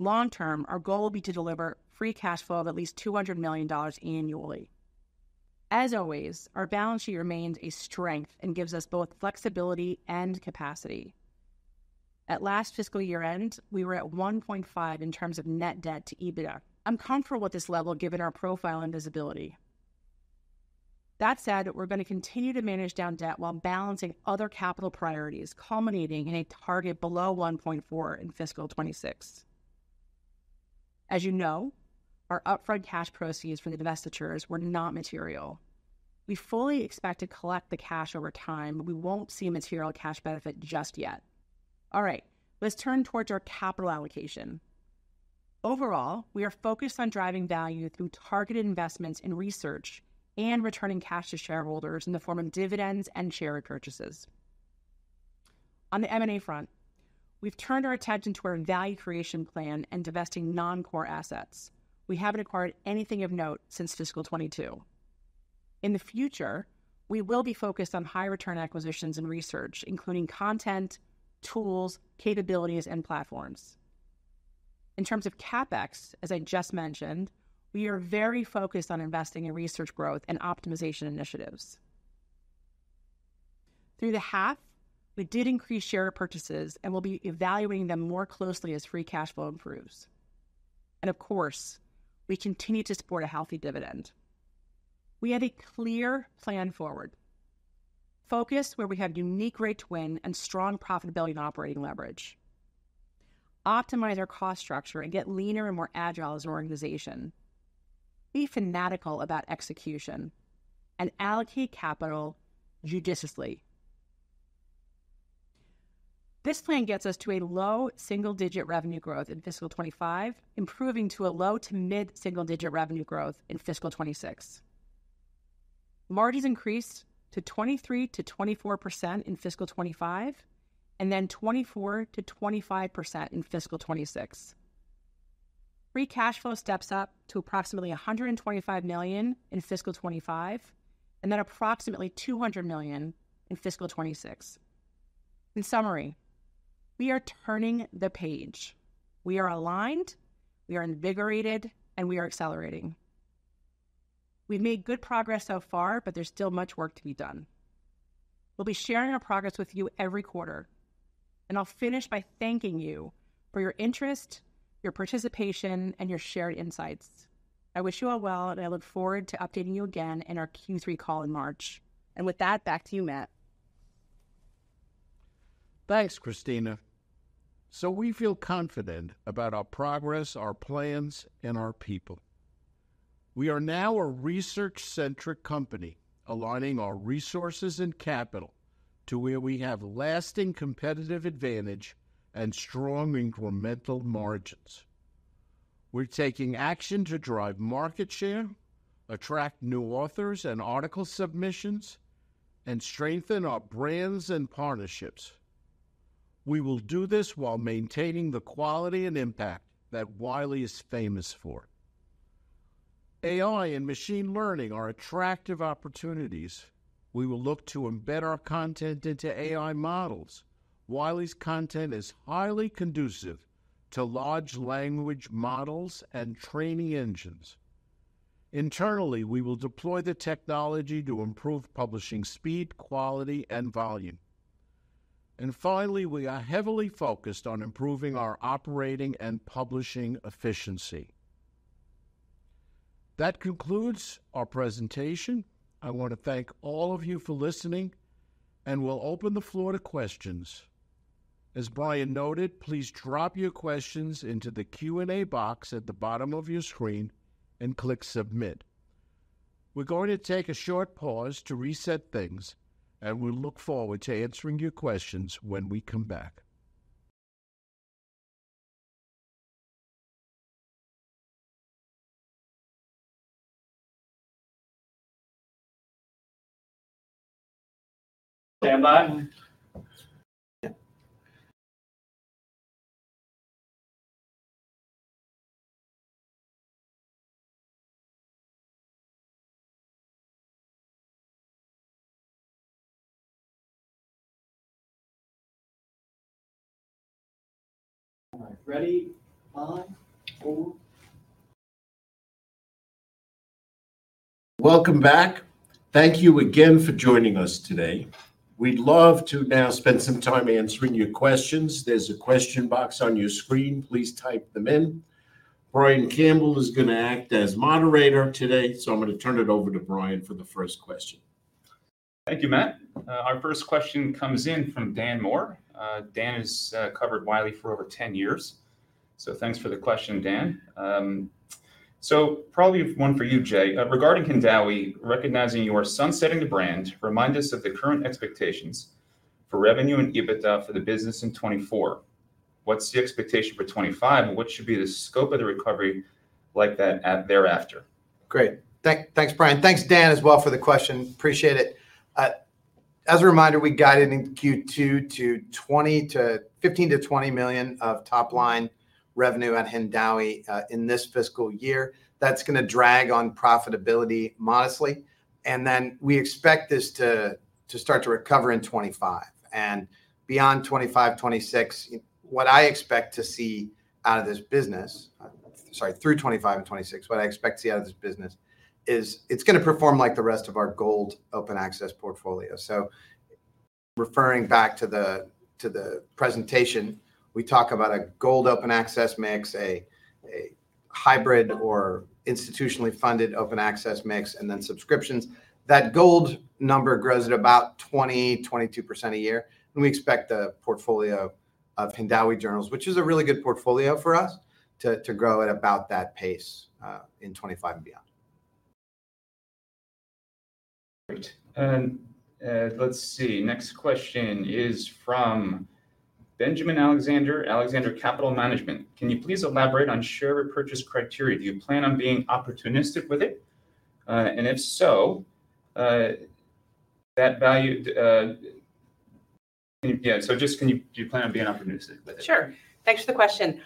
Long term, our goal will be to deliver free cash flow of at least $200 million annually. As always, our balance sheet remains a strength and gives us both flexibility and capacity. At last fiscal year-end, we were at 1.5 in terms of Net Debt to EBITDA. I'm comfortable with this level, given our profile and visibility. That said, we're going to continue to manage down debt while balancing other capital priorities, culminating in a target below 1.4 in fiscal 2026. As you know, our upfront cash proceeds from the divestitures were not material. We fully expect to collect the cash over time, but we won't see a material cash benefit just yet. All right, let's turn towards our capital allocation. Overall, we are focused on driving value through targeted investments in research and returning cash to shareholders in the form of dividends and share repurchases. On the M&A front, we've turned our attention to our value creation plan and divesting non-core assets. We haven't acquired anything of note since fiscal 2022. In the future, we will be focused on high-return acquisitions and research, including content, tools, capabilities, and platforms. In terms of CapEx, as I just mentioned, we are very focused on investing in research growth and optimization initiatives. Through the half, we did increase share purchases and will be evaluating them more closely as free cash flow improves. And of course, we continue to support a healthy dividend. We have a clear plan forward: focus where we have unique right to win and strong profitability and operating leverage, optimize our cost structure and get leaner and more agile as an organization, be fanatical about execution, and allocate capital judiciously. This plan gets us to a low single-digit revenue growth in fiscal 2025, improving to a low to mid single-digit revenue growth in fiscal 2026. Margins increased to 23%-24% in fiscal 2025, and then 24%-25% in fiscal 2026. Free Cash Flow steps up to approximately $125 million in fiscal 2025, and then approximately $200 million in fiscal 2026. In summary, we are turning the page. We are aligned, we are invigorated, and we are accelerating. We've made good progress so far, but there's still much work to be done. We'll be sharing our progress with you every quarter, and I'll finish by thanking you for your interest, your participation, and your shared insights. I wish you all well, and I look forward to updating you again in our Q3 call in March. With that, back to you, Matt. Thanks, Christina. So we feel confident about our progress, our plans, and our people. We are now a research-centric company, aligning our resources and capital to where we have lasting competitive advantage and strong incremental margins. We're taking action to drive market share, attract new authors and article submissions, and strengthen our brands and partnerships. We will do this while maintaining the quality and impact that Wiley is famous for. AI and machine learning are attractive opportunities. We will look to embed our content into AI models. Wiley's content is highly conducive to large language models and training engines. Internally, we will deploy the technology to improve publishing speed, quality, and volume. And finally, we are heavily focused on improving our operating and publishing efficiency. ... That concludes our presentation. I want to thank all of you for listening, and we'll open the floor to questions. As Brian noted, please drop your questions into the Q&A box at the bottom of your screen and click Submit. We're going to take a short pause to reset things, and we look forward to answering your questions when we come back. Stand by. All right, ready? five, four. Welcome back. Thank you again for joining us today. We'd love to now spend some time answering your questions. There's a question box on your screen. Please type them in. Brian Campbell is going to act as moderator today, so I'm going to turn it over to Brian for the first question. Thank you, Matt. Our first question comes in from Dan Moore. Dan has covered Wiley for over 10 years, so thanks for the question, Dan. So probably one for you, Jay. "Regarding Hindawi, recognizing you are sunsetting the brand, remind us of the current expectations for revenue and EBITDA for the business in 2024. What's the expectation for 2025, and what should be the scope of the recovery like that at thereafter? Great. Thank, thanks, Brian. Thanks, Dan, as well, for the question. Appreciate it. As a reminder, we guided in Q2 to fifteen to twenty million of top-line revenue at Hindawi in this fiscal year. That's going to drag on profitability modestly, and then we expect this to start to recover in 2025. And beyond 2025, 2026, what I expect to see out of this business. Sorry, through 2025 and 2026, what I expect to see out of this business is it's going to perform like the rest of our gold open access portfolio. So referring back to the presentation, we talk about a gold open access mix, a hybrid or institutionally funded open access mix, and then subscriptions. That gold number grows at about 20%-22% a year, and we expect the portfolio of Hindawi journals, which is a really good portfolio for us, to grow at about that pace in 2025 and beyond. Great. And, let's see. Next question is from Benjamin Alexander, Alexander Capital Management. "Can you please elaborate on share repurchase criteria? Do you plan on being opportunistic with it? And if so, that value..." Yeah, so just do you plan on being opportunistic with it? Sure. Thanks for the question.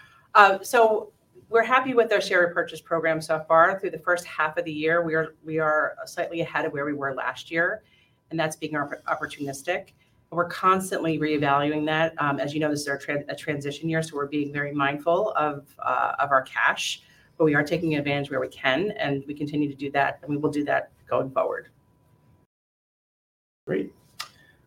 So we're happy with our share repurchase program so far. Through the first half of the year, we are slightly ahead of where we were last year, and that's being opportunistic. We're constantly reevaluating that. As you know, this is our transition year, so we're being very mindful of our cash. But we are taking advantage where we can, and we continue to do that, and we will do that going forward. Great.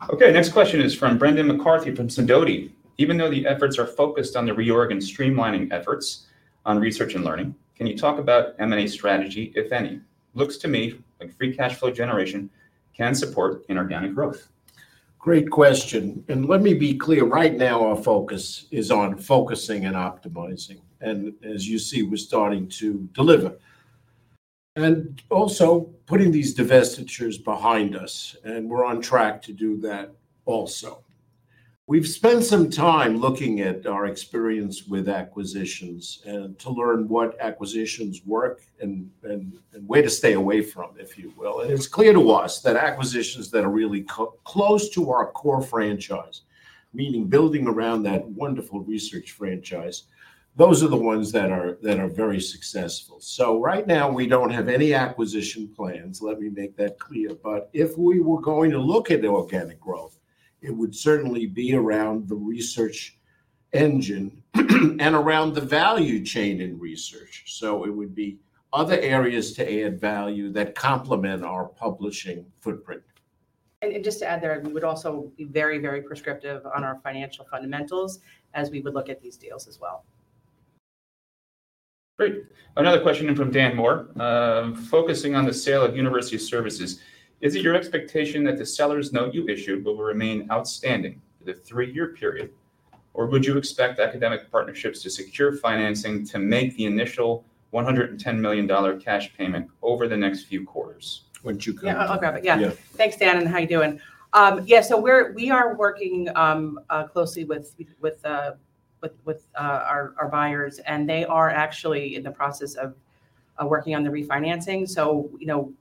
Okay, next question is from Brendan McCarthy from Sidoti. "Even though the efforts are focused on the reorg and streamlining efforts on research and learning, can you talk about M&A strategy, if any? Looks to me like free cash flow generation can support inorganic growth. Great question, and let me be clear. Right now, our focus is on focusing and optimizing, and as you see, we're starting to deliver. And also, putting these divestitures behind us, and we're on track to do that also. We've spent some time looking at our experience with acquisitions and to learn what acquisitions work and where to stay away from, if you will. And it's clear to us that acquisitions that are really close to our core franchise, meaning building around that wonderful research franchise, those are the ones that are very successful. So right now, we don't have any acquisition plans, let me make that clear. But if we were going to look at inorganic growth, it would certainly be around the research engine, and around the value chain in research. It would be other areas to add value that complement our publishing footprint. And just to add there, we would also be very, very prescriptive on our financial fundamentals as we would look at these deals as well. Great. Another question in from Dan Moore. "Focusing on the sale of University Services, is it your expectation that the seller's note you issued will remain outstanding for the three-year period, or would you expect Academic Partnerships to secure financing to make the initial $110 million cash payment over the next few quarters? Why don't you comment? Yeah, I'll grab it. Yeah. Yeah. Thanks, Dan, and how are you doing? Yeah, so we are working closely with our buyers, and they are actually in the process of working on the refinancing. So, you know,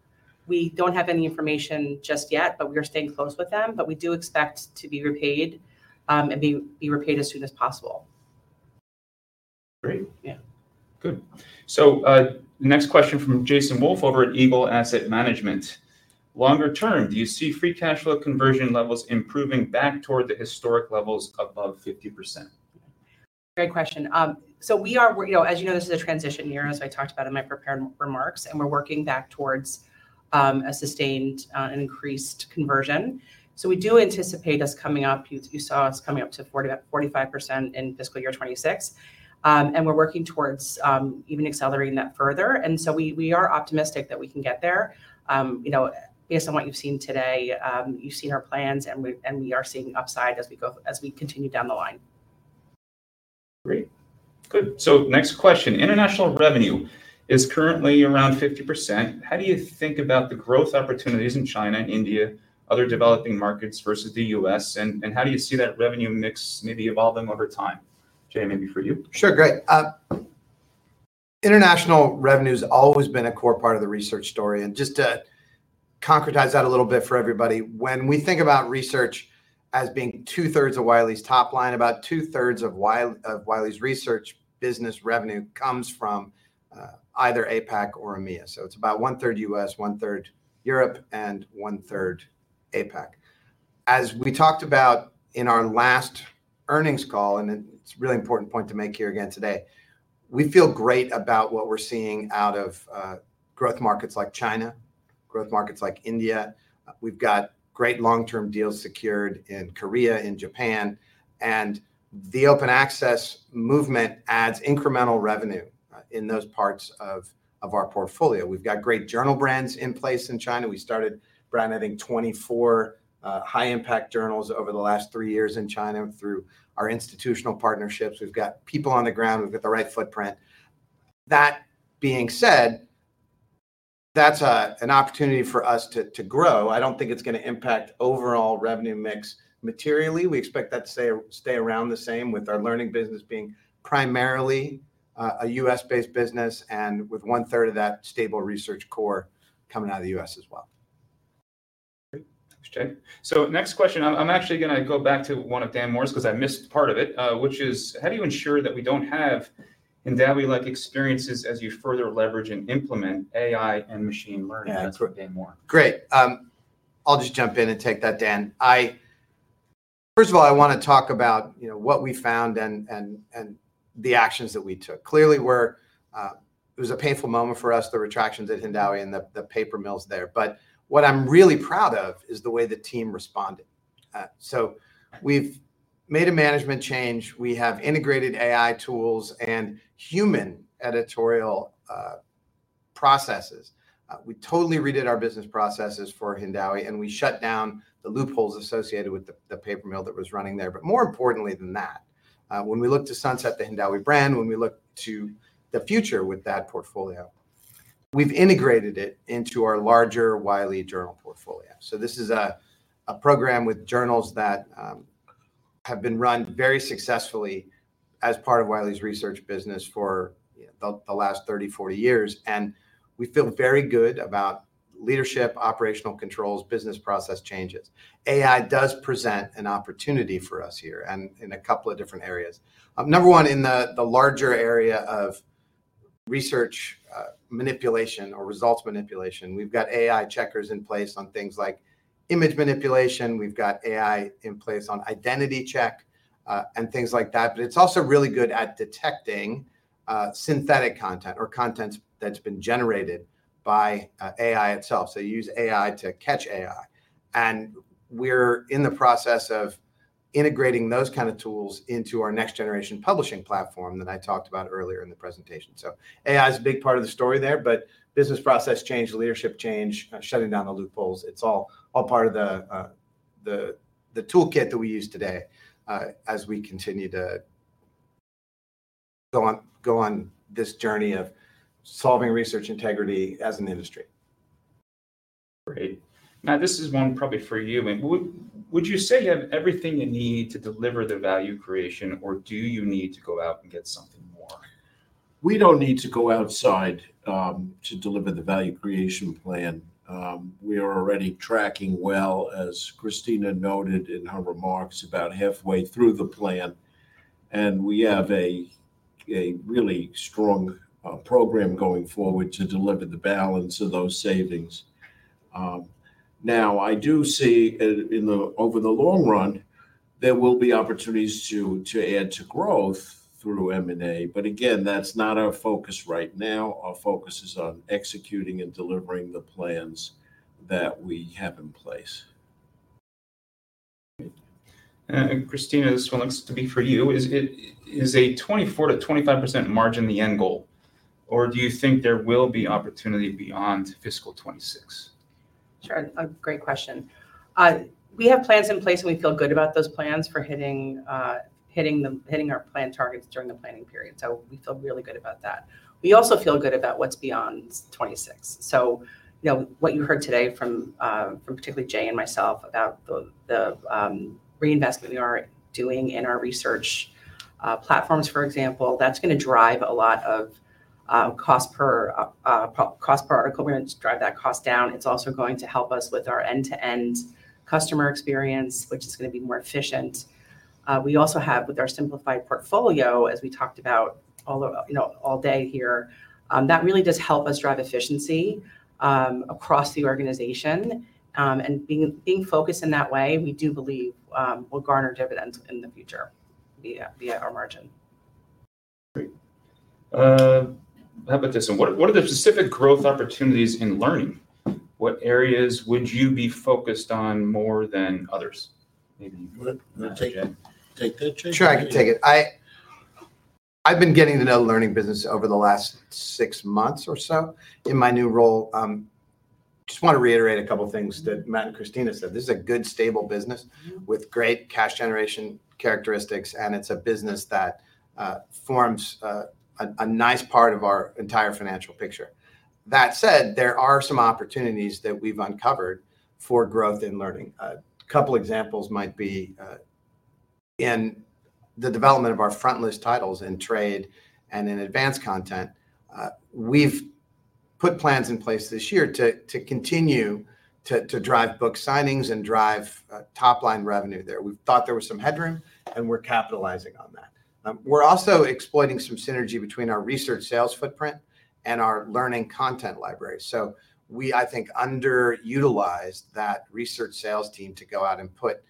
we don't have any information just yet, but we are staying close with them. But we do expect to be repaid and be repaid as soon as possible. Great. Yeah. Good. So, the next question from Jason Wulff over at Eagle Asset Management: "Longer term, do you see free cash flow conversion levels improving back toward the historic levels above 50%?... Great question. So we are, you know, as you know, this is a transition year, as I talked about in my prepared remarks, and we're working back towards a sustained and increased conversion. So we do anticipate us coming up, you saw us coming up to 40%-45% in fiscal year 2026. And we're working towards even accelerating that further, and so we are optimistic that we can get there. You know, based on what you've seen today, you've seen our plans, and we are seeing upside as we continue down the line. Great. Good. So next question. International revenue is currently around 50%. How do you think about the growth opportunities in China, India, other developing markets versus the U.S., and, and how do you see that revenue mix maybe evolving over time? Jay, maybe for you. Sure, Great. International revenue's always been a core part of the research story, and just to concretize that a little bit for everybody, when we think about research as being 2/3 of Wiley's top line, about 2/3 of Wiley's research business revenue comes from either APAC or EMEA. So it's about 1/3 U.S., 1/3 Europe, and 1/3 APAC. As we talked about in our last earnings call, and it's a really important point to make here again today, we feel great about what we're seeing out of growth markets like China, growth markets like India. We've got great long-term deals secured in Korea and Japan, and the open access movement adds incremental revenue in those parts of our portfolio. We've got great journal brands in place in China. We started brand, I think, 24 high-impact journals over the last three years in China through our institutional partnerships. We've got people on the ground. We've got the right footprint. That being said, that's an opportunity for us to grow. I don't think it's gonna impact overall revenue mix materially. We expect that to stay around the same, with our learning business being primarily a U.S.-based business and with one-third of that stable research core coming out of the U.S. as well. Great. Thanks, Jay. So next question. I'm actually gonna go back to one of Dan Moore's 'cause I missed part of it, which is: How do you ensure that we don't have Hindawi-like experiences as you further leverage and implement AI and machine learning? That's for Dan Moore. Great. I'll just jump in and take that, Dan. First of all, I want to talk about, you know, what we found and the actions that we took. Clearly, it was a painful moment for us, the retractions at Hindawi and the paper mills there. But what I'm really proud of is the way the team responded. So we've made a management change. We have integrated AI tools and human editorial processes. We totally redid our business processes for Hindawi, and we shut down the loopholes associated with the paper mill that was running there. But more importantly than that, when we look to sunset the Hindawi brand, when we look to the future with that portfolio, we've integrated it into our larger Wiley journal portfolio. So this is a program with journals that have been run very successfully as part of Wiley's research business for the last 30-40 years, and we feel very good about leadership, operational controls, business process changes. AI does present an opportunity for us here, and in a couple of different areas. Number one, in the larger area of research manipulation or results manipulation. We've got AI checkers in place on things like image manipulation. We've got AI in place on identity check, and things like that. But it's also really good at detecting synthetic content or content that's been generated by AI itself. So you use AI to catch AI, and we're in the process of integrating those kind of tools into our next-generation publishing platform that I talked about earlier in the presentation. So AI is a big part of the story there, but business process change, leadership change, shutting down the loopholes, it's all part of the toolkit that we use today, as we continue to go on this journey of solving research integrity as an industry. Great. Now, this is one probably for you. I mean, would you say you have everything you need to deliver the value creation, or do you need to go out and get something more? We don't need to go outside to deliver the value creation plan. We are already tracking well, as Christina noted in her remarks, about halfway through the plan, and we have a really strong program going forward to deliver the balance of those savings. Now, I do see in over the long run, there will be opportunities to add to growth through M&A, but again, that's not our focus right now. Our focus is on executing and delivering the plans that we have in place. Great. And, Christina, this one looks to be for you. Is it a 24%-25% margin the end goal, or do you think there will be opportunity beyond fiscal 2026? Sure, a great question. We have plans in place, and we feel good about those plans for hitting our plan targets during the planning period. So we feel really good about that. We also feel good about what's beyond 26. So, you know, what you heard today from particularly Jay and myself about the reinvestment we are doing in our research platforms, for example, that's gonna drive a lot of cost per article. We're gonna drive that cost down. It's also going to help us with our end-to-end customer experience, which is gonna be more efficient. We also have, with our simplified portfolio, as we talked about all, you know, all day here, that really does help us drive efficiency across the organization. Being focused in that way, we do believe will garner dividends in the future via our margin.... Great. How about this one? What, what are the specific growth opportunities in learning? What areas would you be focused on more than others? Maybe- You want to take that, Jay? Sure, I can take it. I've been getting to know the learning business over the last six months or so in my new role. Just want to reiterate a couple of things that Matt and Christina said. This is a good, stable business with great cash generation characteristics, and it's a business that forms a nice part of our entire financial picture. That said, there are some opportunities that we've uncovered for growth in learning. A couple examples might be in the development of our frontlist titles in trade and in advanced content. We've put plans in place this year to continue to drive book signings and drive top-line revenue there. We thought there was some headroom, and we're capitalizing on that. We're also exploiting some synergy between our research sales footprint and our learning content library. So we, I think, underutilized that research sales team to go out and put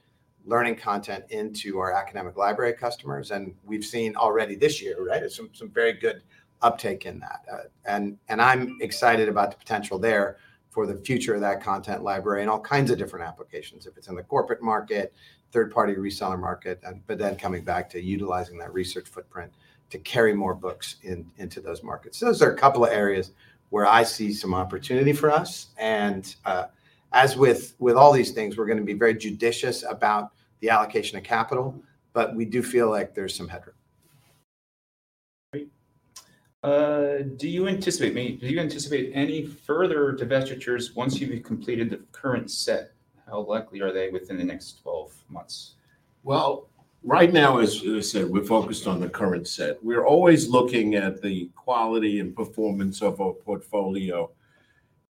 learning content into our academic library customers, and we've seen already this year, right, some, some very good uptake in that. And I'm excited about the potential there for the future of that content library and all kinds of different applications, if it's in the corporate market, third-party reseller market, but then coming back to utilizing that research footprint to carry more books in, into those markets. Those are a couple of areas where I see some opportunity for us, and as with all these things, we're going to be very judicious about the allocation of capital, but we do feel like there's some headroom. Great. Do you anticipate any further divestitures once you've completed the current set? How likely are they within the next 12 months? Well, right now, as I said, we're focused on the current set. We're always looking at the quality and performance of our portfolio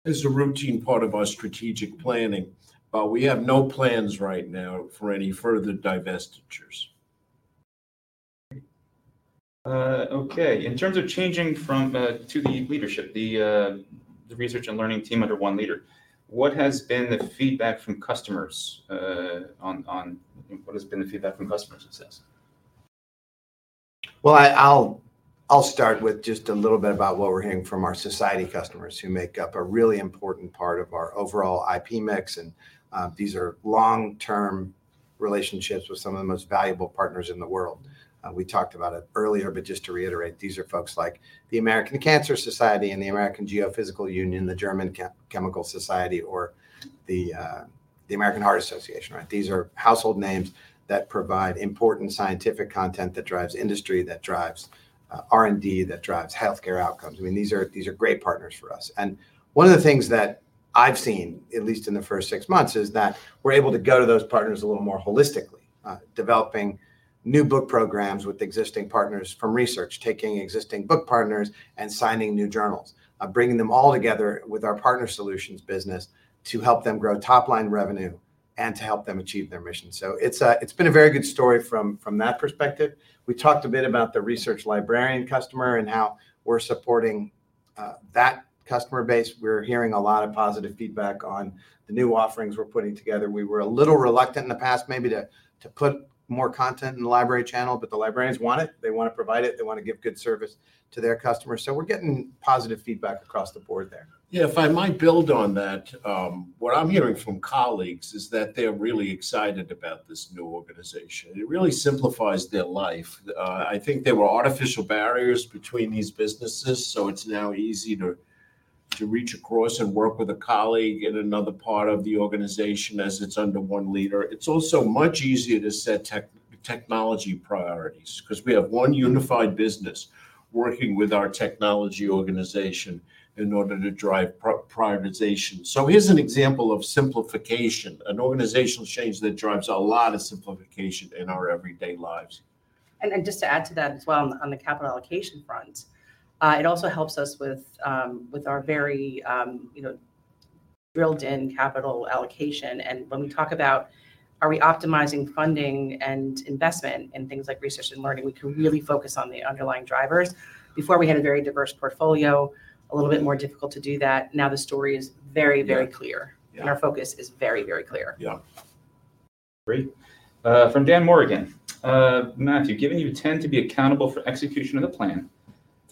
as a routine part of our strategic planning, but we have no plans right now for any further divestitures. Okay. In terms of changing from to the leadership, the Research and Learning team under one leader, what has been the feedback from customers since? Well, I'll start with just a little bit about what we're hearing from our society customers, who make up a really important part of our overall IP mix, and these are long-term relationships with some of the most valuable partners in the world. We talked about it earlier, but just to reiterate, these are folks like the American Cancer Society and the American Geophysical Union, the German Chemical Society, or the American Heart Association, right? These are household names that provide important scientific content that drives industry, that drives R&D, that drives healthcare outcomes. I mean, these are great partners for us. One of the things that I've seen, at least in the first six months, is that we're able to go to those partners a little more holistically. Developing new book programs with existing partners from research, taking existing book partners and signing new journals, bringing them all together with our partner solutions business to help them grow top-line revenue and to help them achieve their mission. So it's been a very good story from that perspective. We talked a bit about the research librarian customer and how we're supporting that customer base. We're hearing a lot of positive feedback on the new offerings we're putting together. We were a little reluctant in the past maybe to put more content in the library channel, but the librarians want it. They want to provide it. They want to give good service to their customers. So we're getting positive feedback across the board there. Yeah, if I might build on that, what I'm hearing from colleagues is that they're really excited about this new organization. It really simplifies their life. I think there were artificial barriers between these businesses, so it's now easy to reach across and work with a colleague in another part of the organization as it's under one leader. It's also much easier to set technology priorities because we have one unified business working with our technology organization in order to drive prioritization. So here's an example of simplification, an organizational change that drives a lot of simplification in our everyday lives. Just to add to that as well, on the capital allocation front, it also helps us with, with our very, you know, drilled-in capital allocation. When we talk about are we optimizing funding and investment in things like research and learning, we can really focus on the underlying drivers. Before, we had a very diverse portfolio, a little bit more difficult to do that. Now the story is very, very clear- Yeah. Our focus is very, very clear. Yeah. Great. From Dan Moore. Matthew, given you tend to be accountable for execution of the plan,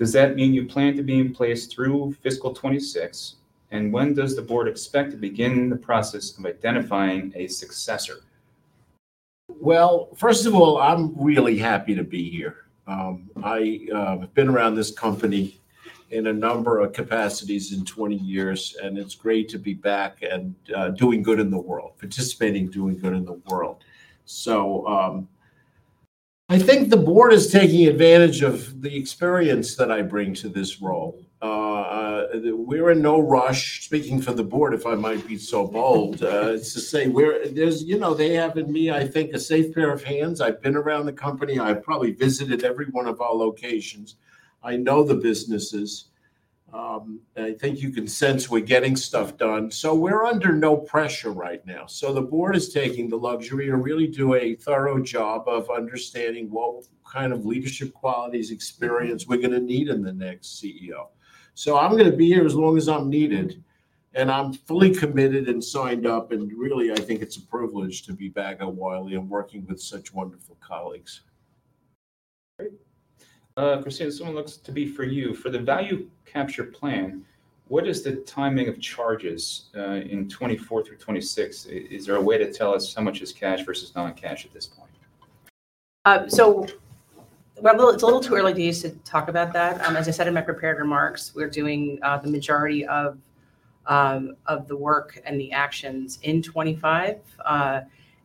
does that mean you plan to be in place through fiscal 2026? And when does the board expect to begin the process of identifying a successor? Well, first of all, I'm really happy to be here. I have been around this company in a number of capacities in 20 years, and it's great to be back and doing good in the world, participating, doing good in the world. So, I think the board is taking advantage of the experience that I bring to this role. We're in no rush, speaking for the board, if I might be so bold, to say. There's, you know, they have in me, I think, a safe pair of hands. I've been around the company. I've probably visited every one of our locations. I know the businesses. I think you can sense we're getting stuff done, so we're under no pressure right now. So the board is taking the luxury to really do a thorough job of understanding what kind of leadership qualities, experience we're going to need in the next CEO. So I'm going to be here as long as I'm needed... and I'm fully committed and signed up, and really, I think it's a privilege to be back at Wiley and working with such wonderful colleagues. Great. Christina, this one looks to be for you. For the value capture plan, what is the timing of charges, in 2024 through 2026? Is there a way to tell us how much is cash versus non-cash at this point? So well, it's a little too early to use to talk about that. As I said in my prepared remarks, we're doing the majority of the work and the actions in 2025.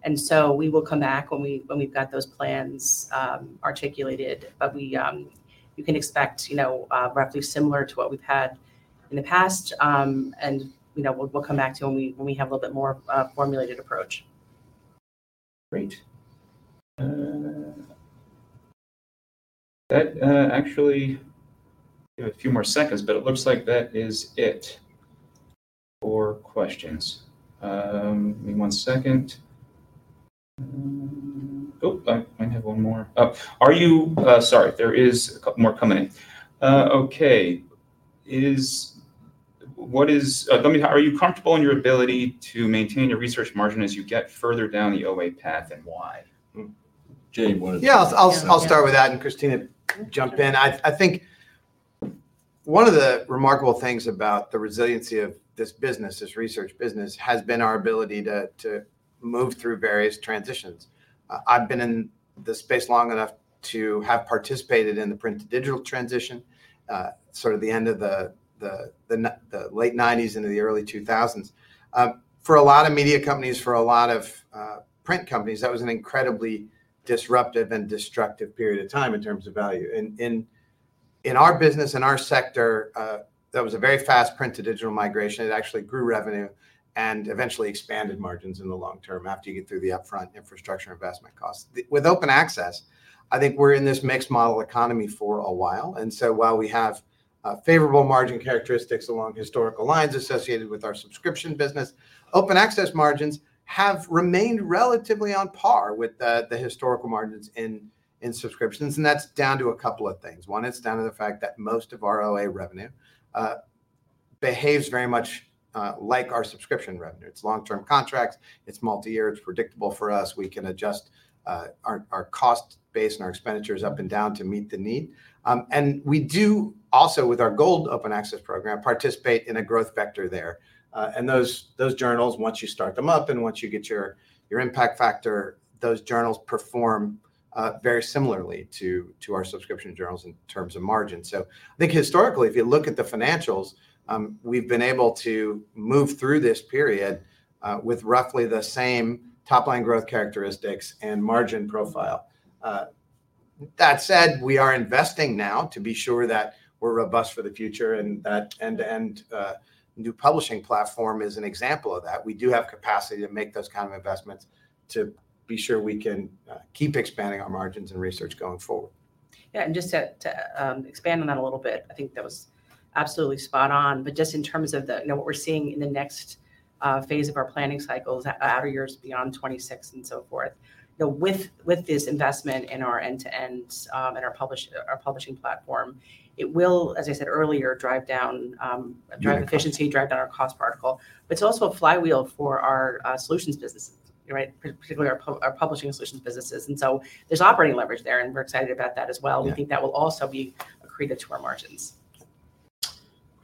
And so we will come back when we, when we've got those plans articulated. But we, you can expect, you know, roughly similar to what we've had in the past. And, you know, we'll, we'll come back to you when we, when we have a little bit more formulated approach. Great. Actually, give a few more seconds, but it looks like that is it for questions. Give me one second. Oh, I might have one more. Oh, sorry, there is a couple more coming in. Okay, are you comfortable in your ability to maintain your research margin as you get further down the OA path, and why? Jay, you want to- Yeah, I'll start with that and Christina jump in. I think one of the remarkable things about the resiliency of this business, this research business, has been our ability to move through various transitions. I've been in this space long enough to have participated in the print-to-digital transition, sort of the end of the late 1990s into the early 2000s. For a lot of media companies, for a lot of print companies, that was an incredibly disruptive and destructive period of time in terms of value. In our business, in our sector, that was a very fast print-to-digital migration. It actually grew revenue and eventually expanded margins in the long term, after you get through the upfront infrastructure investment costs. With open access, I think we're in this mixed-model economy for a while, and so while we have favorable margin characteristics along historical lines associated with our subscription business, open access margins have remained relatively on par with the historical margins in subscriptions, and that's down to a couple of things. One, it's down to the fact that most of our OA revenue behaves very much like our subscription revenue. It's long-term contracts, it's multi-year, it's predictable for us. We can adjust our cost base and our expenditures up and down to meet the need. And we do also, with our gold open access program, participate in a growth vector there. And those journals, once you start them up and once you get your impact factor, those journals perform very similarly to our subscription journals in terms of margin. So I think historically, if you look at the financials, we've been able to move through this period with roughly the same top-line growth characteristics and margin profile. That said, we are investing now to be sure that we're robust for the future, and new publishing platform is an example of that. We do have capacity to make those kind of investments to be sure we can keep expanding our margins and research going forward. Yeah, and just to expand on that a little bit, I think that was absolutely spot on. But just in terms of the, you know, what we're seeing in the next phase of our planning cycles, outer years beyond 26 and so forth. You know, with this investment in our end-to-end and our publishing platform, it will, as I said earlier, drive down drive efficiency, drive down our cost per article. But it's also a flywheel for our solutions businesses, right? Particularly our publishing solutions businesses. And so there's operating leverage there, and we're excited about that as well. Yeah. We think that will also be accretive to our margins.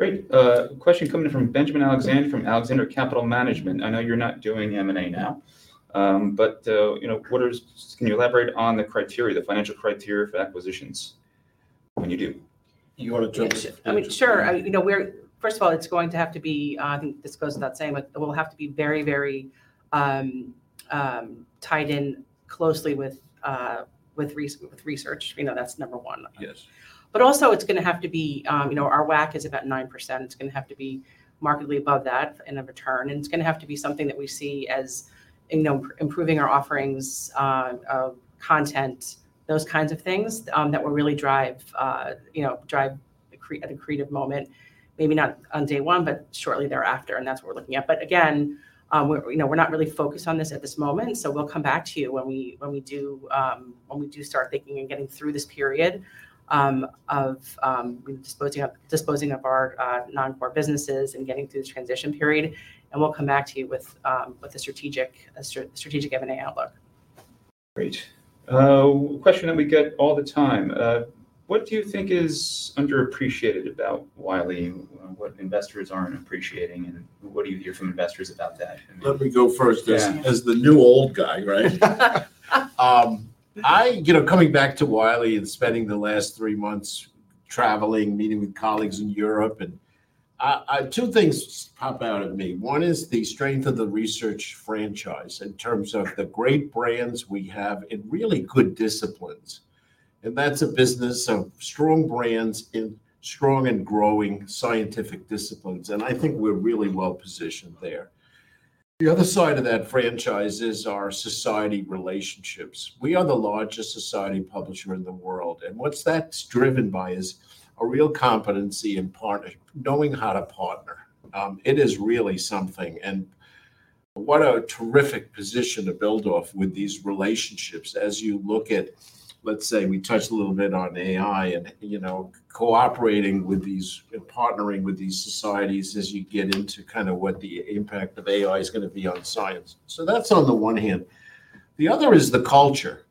Great. Question coming in from Benjamin Alexander, from Alexander Capital Management. I know you're not doing M&A now, but, you know, can you elaborate on the criteria, the financial criteria for acquisitions when you do? You want to jump in? I mean, sure. I mean, you know, we're first of all, it's going to have to be. I think this goes without saying, but it will have to be very, very tied in closely with research. You know, that's number one. Yes. But also, it's gonna have to be, you know, our WACC is about 9%. It's gonna have to be markedly above that in a return, and it's gonna have to be something that we see as, you know, improving our offerings of content, those kinds of things, that will really drive, you know, drive the creative moment. Maybe not on day one, but shortly thereafter, and that's what we're looking at. But again, we're, you know, we're not really focused on this at this moment, so we'll come back to you when we, when we do start thinking and getting through this period of disposing of, disposing of our non-core businesses and getting through this transition period. And we'll come back to you with a strategic M&A outlook. Great. A question that we get all the time. What do you think is underappreciated about Wiley? What investors aren't appreciating, and what do you hear from investors about that? Let me go first- Yeah... as the new old guy, right? I, you know, coming back to Wiley and spending the last three months traveling, meeting with colleagues in Europe, and two things pop out at me. One is the strength of the research franchise in terms of the great brands we have in really good disciplines. And that's a business of strong brands in strong and growing scientific disciplines, and I think we're really well-positioned there. The other side of that franchise is our society relationships. We are the largest society publisher in the world, and what's that driven by is a real competency in partnering, knowing how to partner. It is really something, and... What a terrific position to build off with these relationships as you look at, let's say, we touched a little bit on AI and, you know, cooperating with these and partnering with these societies as you get into kind of what the impact of AI is going to be on science. So that's on the one hand. The other is the culture.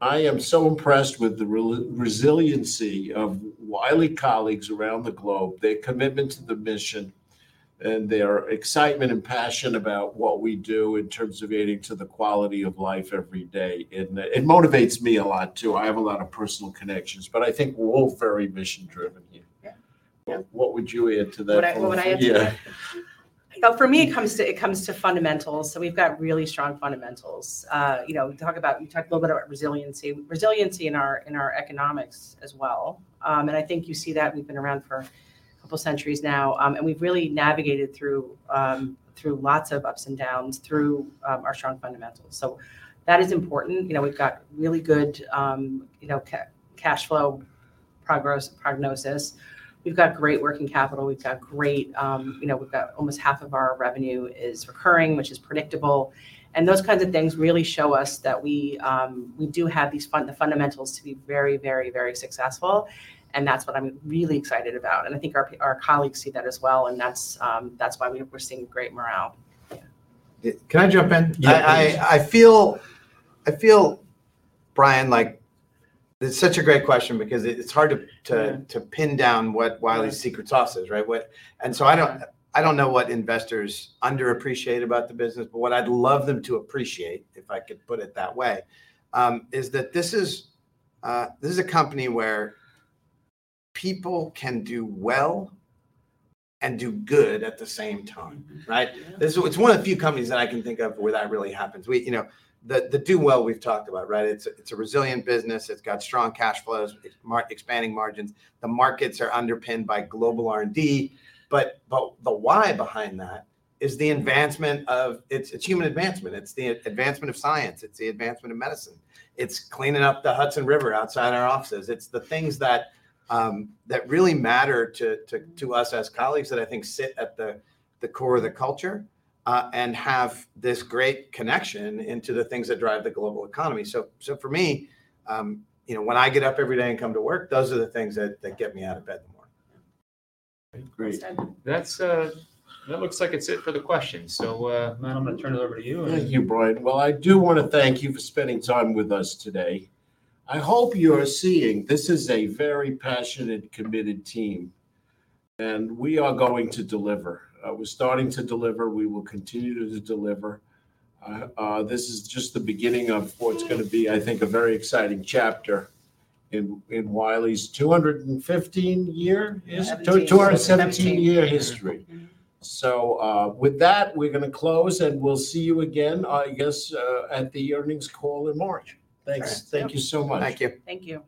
I am so impressed with the resiliency of Wiley colleagues around the globe, their commitment to the mission, and their excitement and passion about what we do in terms of adding to the quality of life every day, and it motivates me a lot, too. I have a lot of personal connections, but I think we're all very mission-driven here. Yeah. Yeah. What would you add to that? What would I add to that? Yeah. For me, it comes to fundamentals. So we've got really strong fundamentals. You know, we talk about you talked a little bit about resiliency. Resiliency in our, in our economics as well. And I think you see that we've been around for a couple centuries now, and we've really navigated through through lots of ups and downs, through our strong fundamentals. So that is important. You know, we've got really good, you know, cash flow progress, prognosis. We've got great working capital. We've got great, you know, we've got almost half of our revenue is recurring, which is predictable. And those kinds of things really show us that we we do have these the fundamentals to be very, very, very successful, and that's what I'm really excited about. I think our colleagues see that as well, and that's why we're seeing great morale. Can I jump in? Yeah, please. I feel, Brian, like it's such a great question because it's hard to... Yeah... to pin down what Wiley's secret sauce is, right? And so I don't, I don't know what investors underappreciate about the business, but what I'd love them to appreciate, if I could put it that way, is that this is, this is a company where people can do well and do good at the same time, right? Yeah. It's one of the few companies that I can think of where that really happens. We, you know, the do well, we've talked about, right? It's a resilient business, it's got strong cash flows, it's margin-expanding margins. The markets are underpinned by Global R&D. But the why behind that is the advancement of, it's human advancement. It's the advancement of science, it's the advancement of medicine. It's cleaning up the Hudson River outside our offices. It's the things that really matter to us as colleagues that I think sit at the core of the culture and have this great connection into the things that drive the global economy. For me, you know, when I get up every day and come to work, those are the things that, that get me out of bed in the morning. Great. Excellent. That's, that looks like it's it for the questions. So, Matt, I'm going to turn it over to you. Thank you, Brian. Well, I do want to thank you for spending time with us today. I hope you are seeing this is a very passionate, committed team, and we are going to deliver. We're starting to deliver. We will continue to deliver. This is just the beginning of what's going to be, I think, a very exciting chapter in Wiley's 215-year history? Seventeen. 217-year history. So, with that, we're going to close, and we'll see you again, I guess, at the earnings call in March. Thanks. Right. Thank you so much. Thank you. Thank you.